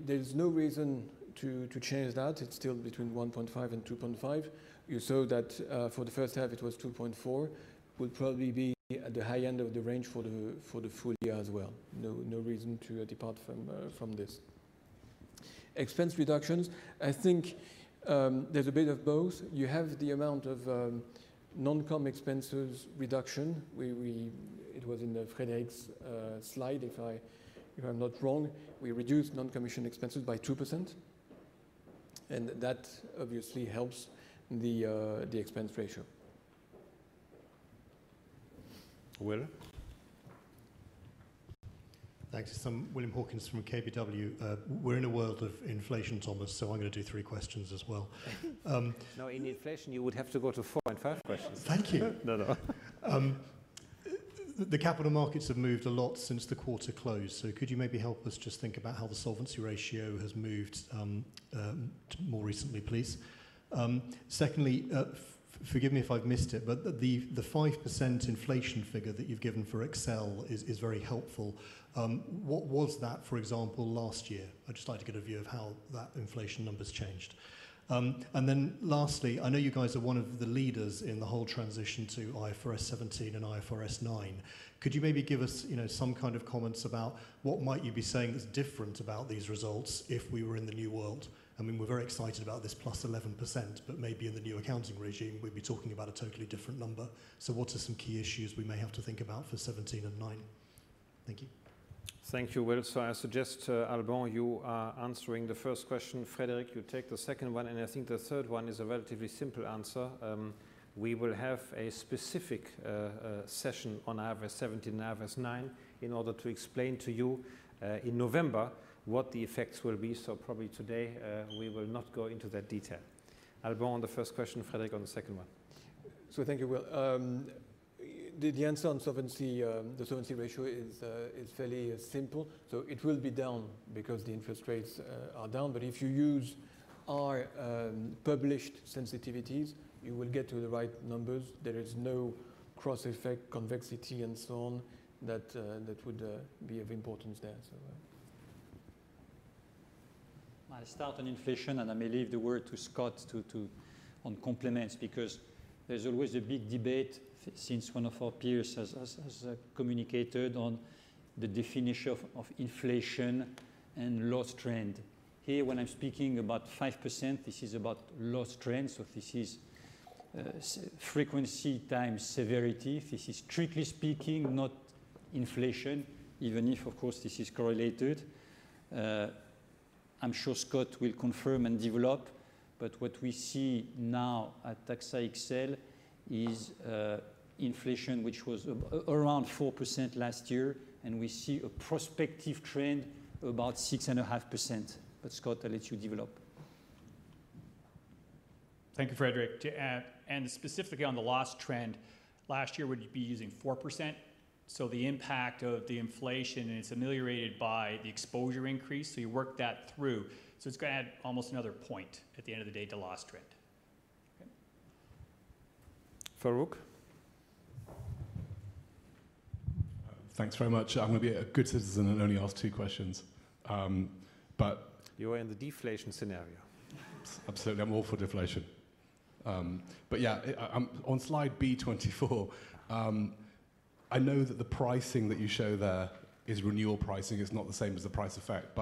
there's no reason to change that. It's still between 1.5% and 2.5%. You saw that, for the first half it was 2.4%, will probably be at the high end of the range for the full year as well. No reason to depart from this. Expense reductions, I think, there's a bit of both. You have the amount of non-comm expenses reduction. It was in Frédéric's slide, if I'm not wrong. We reduced non-commission expenses by 2%, and that obviously helps the expense ratio. Will. Thanks. William Hawkins from KBW. We're in a world of inflation, Thomas, so I'm going to do three questions as well. No, in inflation you would have to go to four and five questions. Thank you. No, no. The capital markets have moved a lot since the quarter closed, so could you maybe help us just think about how the solvency ratio has moved more recently, please? Secondly, forgive me if I've missed it, but the 5% inflation figure that you've given for AXA XL is very helpful. What was that, for example, last year? I'd just like to get a view of how that inflation number's changed. Lastly, I know you guys are one of the leaders in the whole transition to IFRS 17 and IFRS 9. Could you maybe give us, you know, some kind of comments about what might you be saying is different about these results if we were in the new world? I mean, we're very excited about this +11%, but maybe in the new accounting regime we'd be talking about a totally different number. What are some key issues we may have to think about for IFRS 17 and IFRS 9? Thank you. Thank you, Will. I suggest, Alban, you are answering the first question. Frederick, you take the second one, and I think the third one is a relatively simple answer. We will have a specific session on IFRS 17 and IFRS 9 in order to explain to you in November what the effects will be. Probably today, we will not go into that detail. Alban on the first question, Frédéric on the second one. Thank you, Will. The answer on solvency, the solvency ratio is fairly simple. It will be down because the interest rates are down. If you use our published sensitivities, you will get to the right numbers. There is no cross effect, convexity and so on that would be of importance there. I'll start on inflation, and I may leave the word to Scott on comments because there's always a big debate since one of our peers has communicated on the definition of inflation and loss trend. Here, when I'm speaking about 5%, this is about loss trend, so this is frequency times severity. This is strictly speaking, not inflation, even if, of course, this is correlated. I'm sure Scott will confirm and develop, but what we see now at AXA XL is inflation which was around 4% last year, and we see a prospective trend of about 6.5%. Scott, I'll let you develop. Thank you, Frédéric. To add, specifically on the loss trend, last year we'd be using 4%, so the impact of the inflation is ameliorated by the exposure increase, so you work that through. It's gonna add almost another point at the end of the day to loss trend. Okay. Farooq. Thanks very much. I'm going to be a good citizen and only ask two questions. You are in the deflation scenario. Absolutely. I'm all for deflation. Yeah. I'm on slide B24. I know that the pricing that you show there is renewal pricing. It's not the same as the price effect.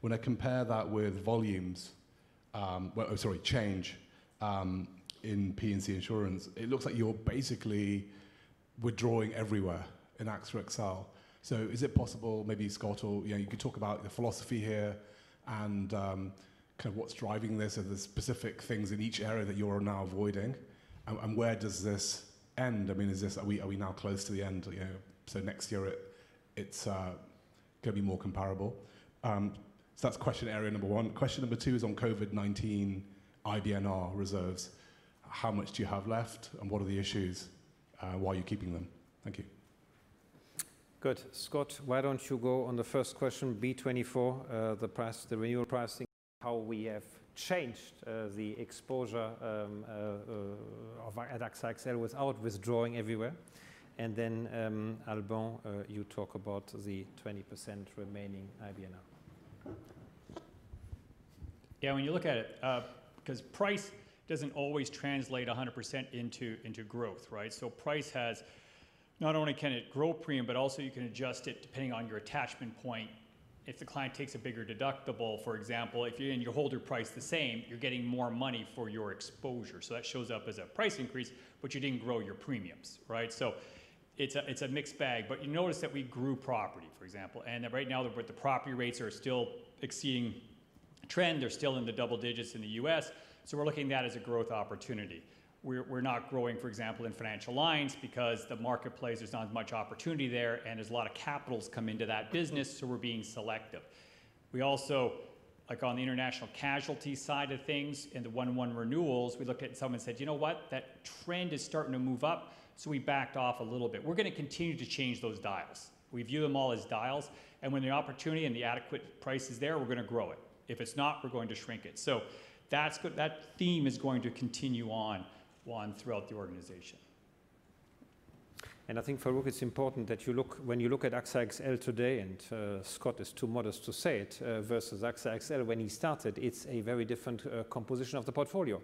When I compare that with volumes, change in P&C insurance, it looks like you're basically withdrawing everywhere in AXA XL. Is it possible, maybe Scott or, you know, you could talk about the philosophy here and kind of what's driving this. Are there specific things in each area that you're now avoiding? Where does this end? I mean, are we now close to the end, you know? Next year it's going to be more comparable. That's question area number one. Question number two is on COVID-19 IBNR reserves. How much do you have left and what are the issues? Why are you keeping them? Thank you. Good. Scott, why don't you go on the first question, B24, the price, the renewal pricing, how we have changed the exposure at AXA XL without withdrawing everywhere. Alban, you talk about the 20% remaining IBNR. Yeah. When you look at it, 'cause price doesn't always translate 100% into growth, right? Price has, not only can it grow premium, but also you can adjust it depending on your attachment point. If the client takes a bigger deductible, for example, and you hold your price the same, you're getting more money for your exposure. That shows up as a price increase, but you didn't grow your premiums, right? It's a mixed bag. You notice that we grew property, for example. Right now the property rates are still exceeding trend. They're still in the double digits in the U.S., so we're looking at that as a growth opportunity. We're not growing, for example, in financial lines because the marketplace, there's not as much opportunity there, and there's a lot of capital has come into that business, so we're being selective. We also, like on the international casualty side of things, in the one-on-one renewals, we looked at some and said, "You know what? That trend is starting to move up," so we backed off a little bit. We're gonna continue to change those dynamic dials. We view them all as dials, and when the opportunity and the adequate price is there, we're gonna grow it. If it's not, we're going to shrink it. So that theme is going to continue on, Farooq, throughout the organization. I think, Farooq, it's important, when you look at AXA XL today, and Scott is too modest to say it, versus AXA XL when he started, it's a very different composition of the portfolio.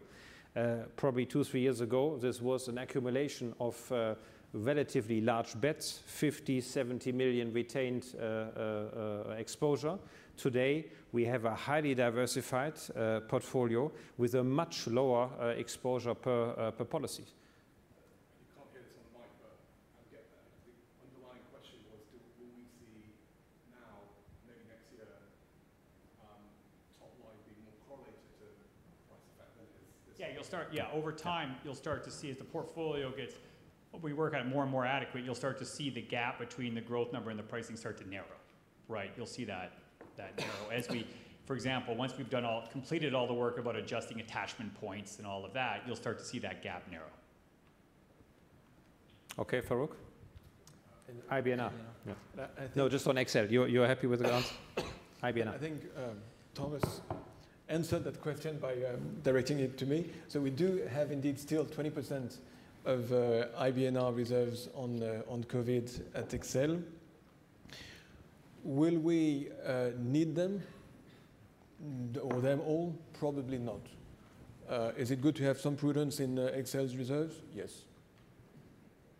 Probably 2-3 years ago, this was an accumulation of relatively large bets, $50 million, $70 million retained exposure. Today, we have a highly diversified portfolio with a much lower exposure per policy. You can't hear this on the mic, but I get that. The underlying question was, will we see now, maybe next year, top line being more correlated to price effect than it is this- Yeah, over time, you'll start to see as the portfolio gets, we work on it more and more adequate, you'll start to see the gap between the growth number and the pricing start to narrow. Right? You'll see that narrow. For example, once we've completed all the work about adjusting attachment points and all of that, you'll start to see that gap narrow. Okay, Farooq? IBNR. IBNR. No, just on XL. You are happy with the answer? IBNR. I think, Thomas answered that question by directing it to me. We do have indeed still 20% of IBNR reserves on COVID at XL. Will we need them or them all? Probably not. Is it good to have some prudence in XL's reserves? Yes.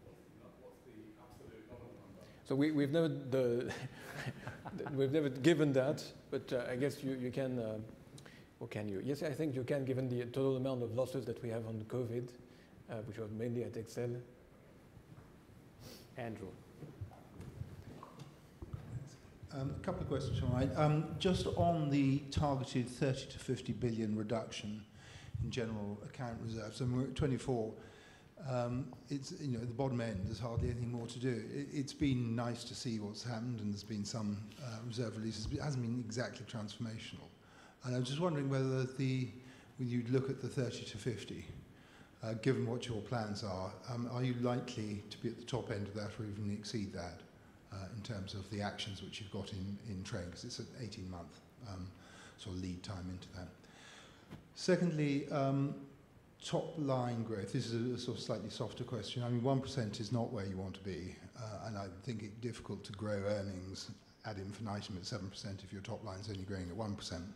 What's the absolute dollar number? We've never given that, but I guess you can. Well, can you? Yes, I think you can, given the total amount of losses that we have on COVID, which are mainly at XL. Andrew. A couple of questions if I might. Just on the targeted 30 billion-50 billion reduction in general account reserves, and we're at 24 billion. It's, you know, at the bottom end. There's hardly anything more to do. It's been nice to see what's happened, and there's been some reserve releases, but it hasn't been exactly transformational. I was just wondering whether, when you look at the 30-50, given what your plans are you likely to be at the top end of that or even exceed that, in terms of the actions which you've got in train? 'Cause it's an 18-month sort of lead time into that. Secondly, top-line growth. This is a sort of slightly softer question. I mean, 1% is not where you want to be, and I think it's difficult to grow earnings ad infinitum at 7% if your top line's only growing at 1%.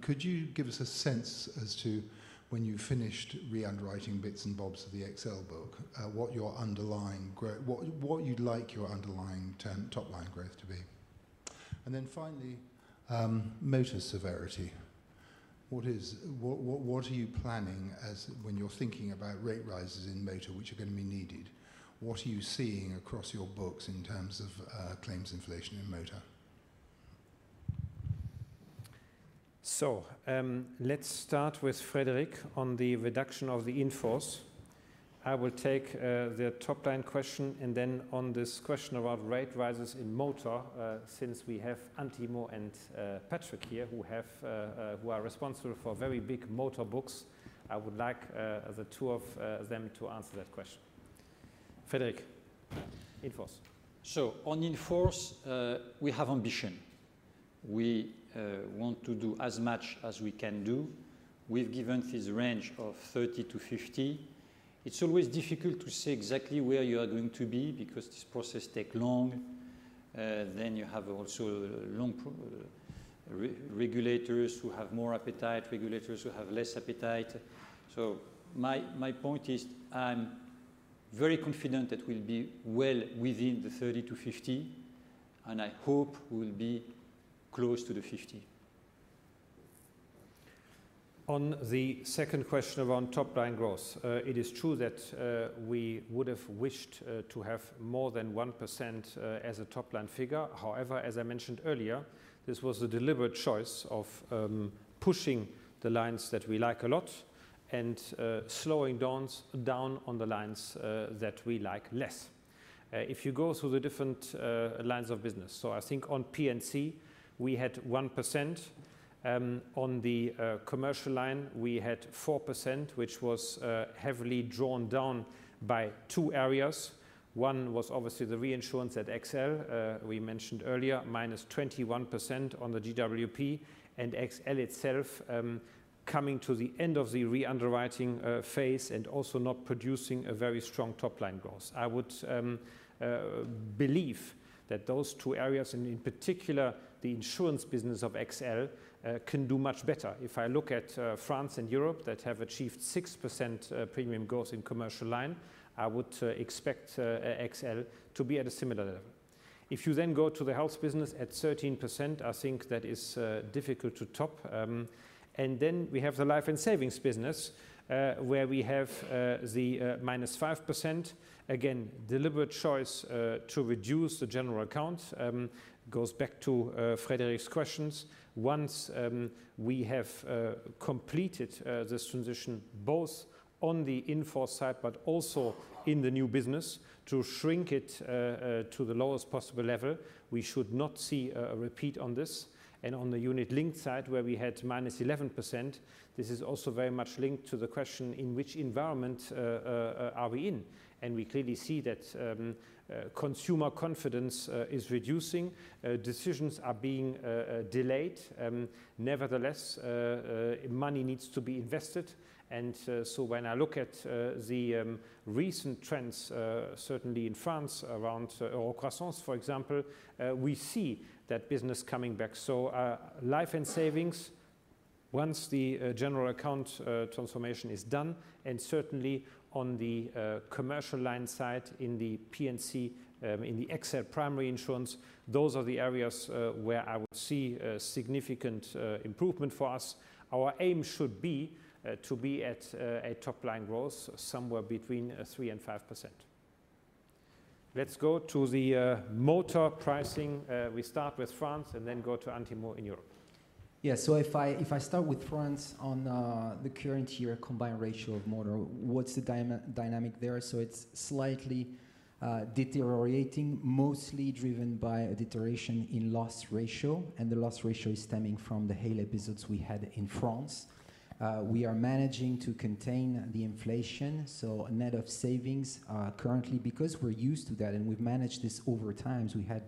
Could you give us a sense as to when you've finished re-underwriting bits and bobs of the XL book, what you'd like your underlying top-line growth to be? Then finally, motor severity. What are you planning as to when you're thinking about rate rises in motor which are gonna be needed? What are you seeing across your books in terms of claims inflation in motor? Let's start with Frédéric on the reduction of the in-force. I will take the top-line question and then on this question around rate rises in motor, since we have Antimo and Patrick here who are responsible for very big motor books, I would like the two of them to answer that question. Frédéric, in-force. On in-force, we have ambition. We want to do as much as we can do. We've given this range of 30-50. It's always difficult to say exactly where you are going to be because this process take long. Then you have also regulators who have more appetite, regulators who have less appetite. My point is I'm very confident that we'll be well within the 30-50, and I hope we'll be close to the 50. On the second question around top-line growth, it is true that we would have wished to have more than 1% as a top-line figure. However, as I mentioned earlier, this was a deliberate choice of pushing the lines that we like a lot and slowing down on the lines that we like less. If you go through the different lines of business. I think on P&C we had 1%. On the commercial line, we had 4%, which was heavily drawn down by two areas. One was obviously the reinsurance at XL, we mentioned earlier, -21% on the GWP and XL itself coming to the end of the re-underwriting phase and also not producing a very strong top-line growth. I would believe that those two areas, and in particular the insurance business of AXA XL, can do much better. If I look at France and Europe that have achieved 6% premium growth in commercial line, I would expect AXA XL to be at a similar level. If you then go to the health business at 13%, I think that is difficult to top. We have the life and savings business, where we have the -5%. Again, deliberate choice to reduce the general account, goes back to Frédéric's questions. Once we have completed this transition, both on the in-force side, but also in the new business to shrink it to the lowest possible level, we should not see a repeat on this. On the unit-linked side where we had -11%, this is also very much linked to the question in which environment are we in? We clearly see that consumer confidence is reducing, decisions are being delayed. Nevertheless, money needs to be invested. When I look at the recent trends, certainly in France around Eurocroissance, for example, we see that business coming back. Life and savings. Once the general account transformation is done, and certainly on the commercial line side in the P&C, in the XL primary insurance, those are the areas where I would see a significant improvement for us. Our aim should be to be at a top-line growth somewhere between 3%-5%. Let's go to the motor pricing. We start with France and then go to Antimo Perretta in Europe. If I start with France on the current year Combined Ratio of motor, what's the dynamic there? It's slightly deteriorating, mostly driven by a deterioration in loss ratio, and the loss ratio is stemming from the hail episodes we had in France. We are managing to contain the inflation, so a net of savings currently because we're used to that and we've managed this over time. We had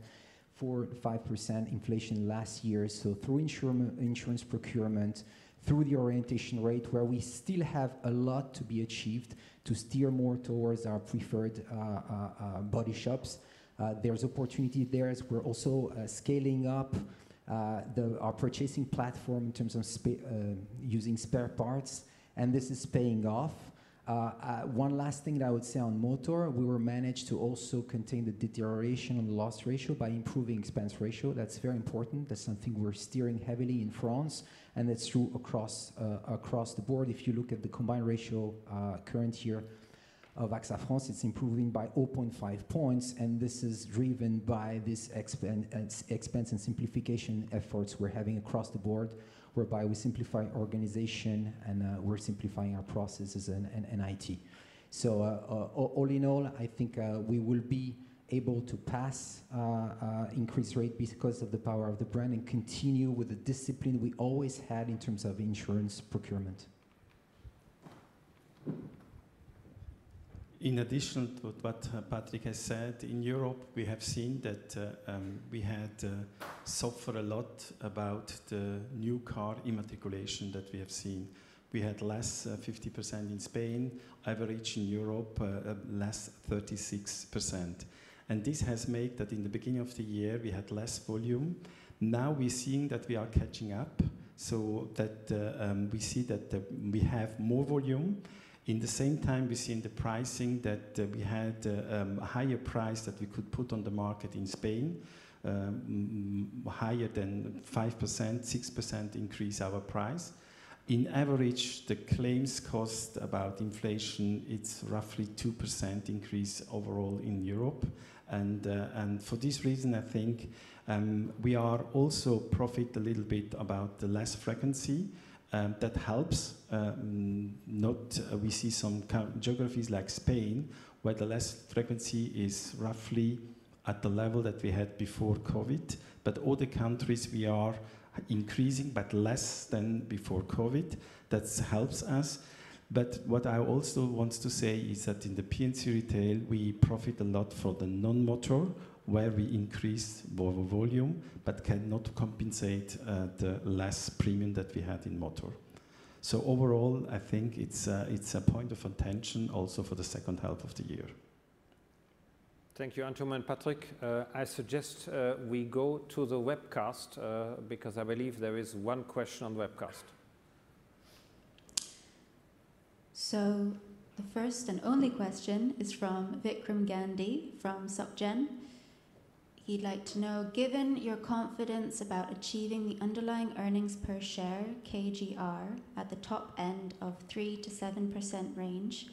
4%-5% inflation last year. Through insurance procurement, through the utilization rate, where we still have a lot to be achieved to steer more towards our preferred body shops, there's opportunity there as we're also scaling up our purchasing platform in terms of using spare parts, and this is paying off. One last thing that I would say on motor, we managed to also contain the deterioration on the loss ratio by improving expense ratio. That's very important. That's something we're steering heavily in France, and that's true across the board. If you look at the combined ratio current year of AXA France, it's improving by 0.5 points, and this is driven by this expense and simplification efforts we're having across the board, whereby we're simplifying organization and we're simplifying our processes and IT. All in all, I think we will be able to pass increased rate because of the power of the brand and continue with the discipline we always had in terms of insurance procurement. In addition to what Patrick has said, in Europe, we have seen that we had suffered a lot from the new car immatriculations that we have seen. We had 50% less in Spain, on average in Europe, 36% less. This has meant that in the beginning of the year we had less volume. Now we're seeing that we are catching up, so that we see that we have more volume. At the same time, we're seeing the pricing that we had, higher prices that we could put on the market in Spain, higher than 5%, 6% increase in our price. On average, the claims costs above inflation, it's roughly 2% increase overall in Europe. For this reason, I think we are also benefiting a little bit from the lower frequency, that helps. In some countries like Spain, the lower frequency is roughly at the level that we had before COVID. All the countries we are increasing, but less than before COVID. That helps us. What I also want to say is that in the P&C retail, we benefit a lot from the non-motor, where we increased volume, but cannot compensate the lower premium that we had in motor. Overall, I think it's a point of attention also for the second half of the year. Thank you, Antimo and Patrick. I suggest we go to the webcast because I believe there is one question on webcast. The first and only question is from Vikram Gandhi from Societe Generale. He'd like to know, given your confidence about achieving the underlying earnings per share CAGR at the top end of 3%-7% range,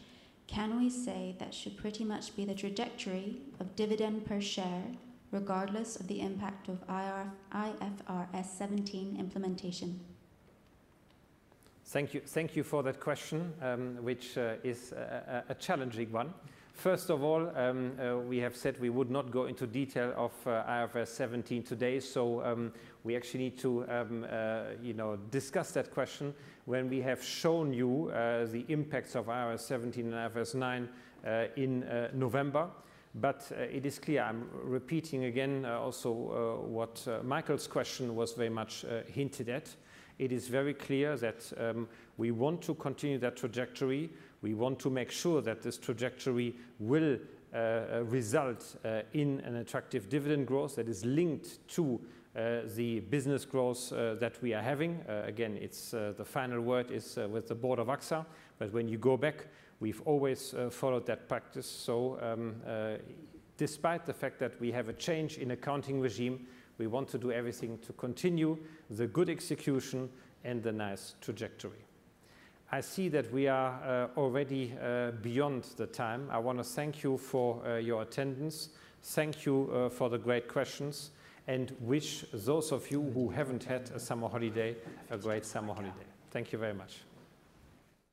can we say that should pretty much be the trajectory of dividend per share regardless of the impact of IFRS 17 implementation? Thank you. Thank you for that question, which is a challenging one. First of all, we have said we would not go into detail of IFRS 17 today. We actually need to, you know, discuss that question when we have shown you the impacts of IFRS 17 and IFRS 9 in November. It is clear, I'm repeating again also what Michael's question was very much hinted at. It is very clear that we want to continue that trajectory. We want to make sure that this trajectory will result in an attractive dividend growth that is linked to the business growth that we are having. Again, it's the final word is with the board of AXA. When you go back, we've always followed that practice. Despite the fact that we have a change in accounting regime, we want to do everything to continue the good execution and the nice trajectory. I see that we are already beyond the time. I wanna thank you for your attendance. Thank you for the great questions, and wish those of you who haven't had a summer holiday, a great summer holiday. Thank you very much.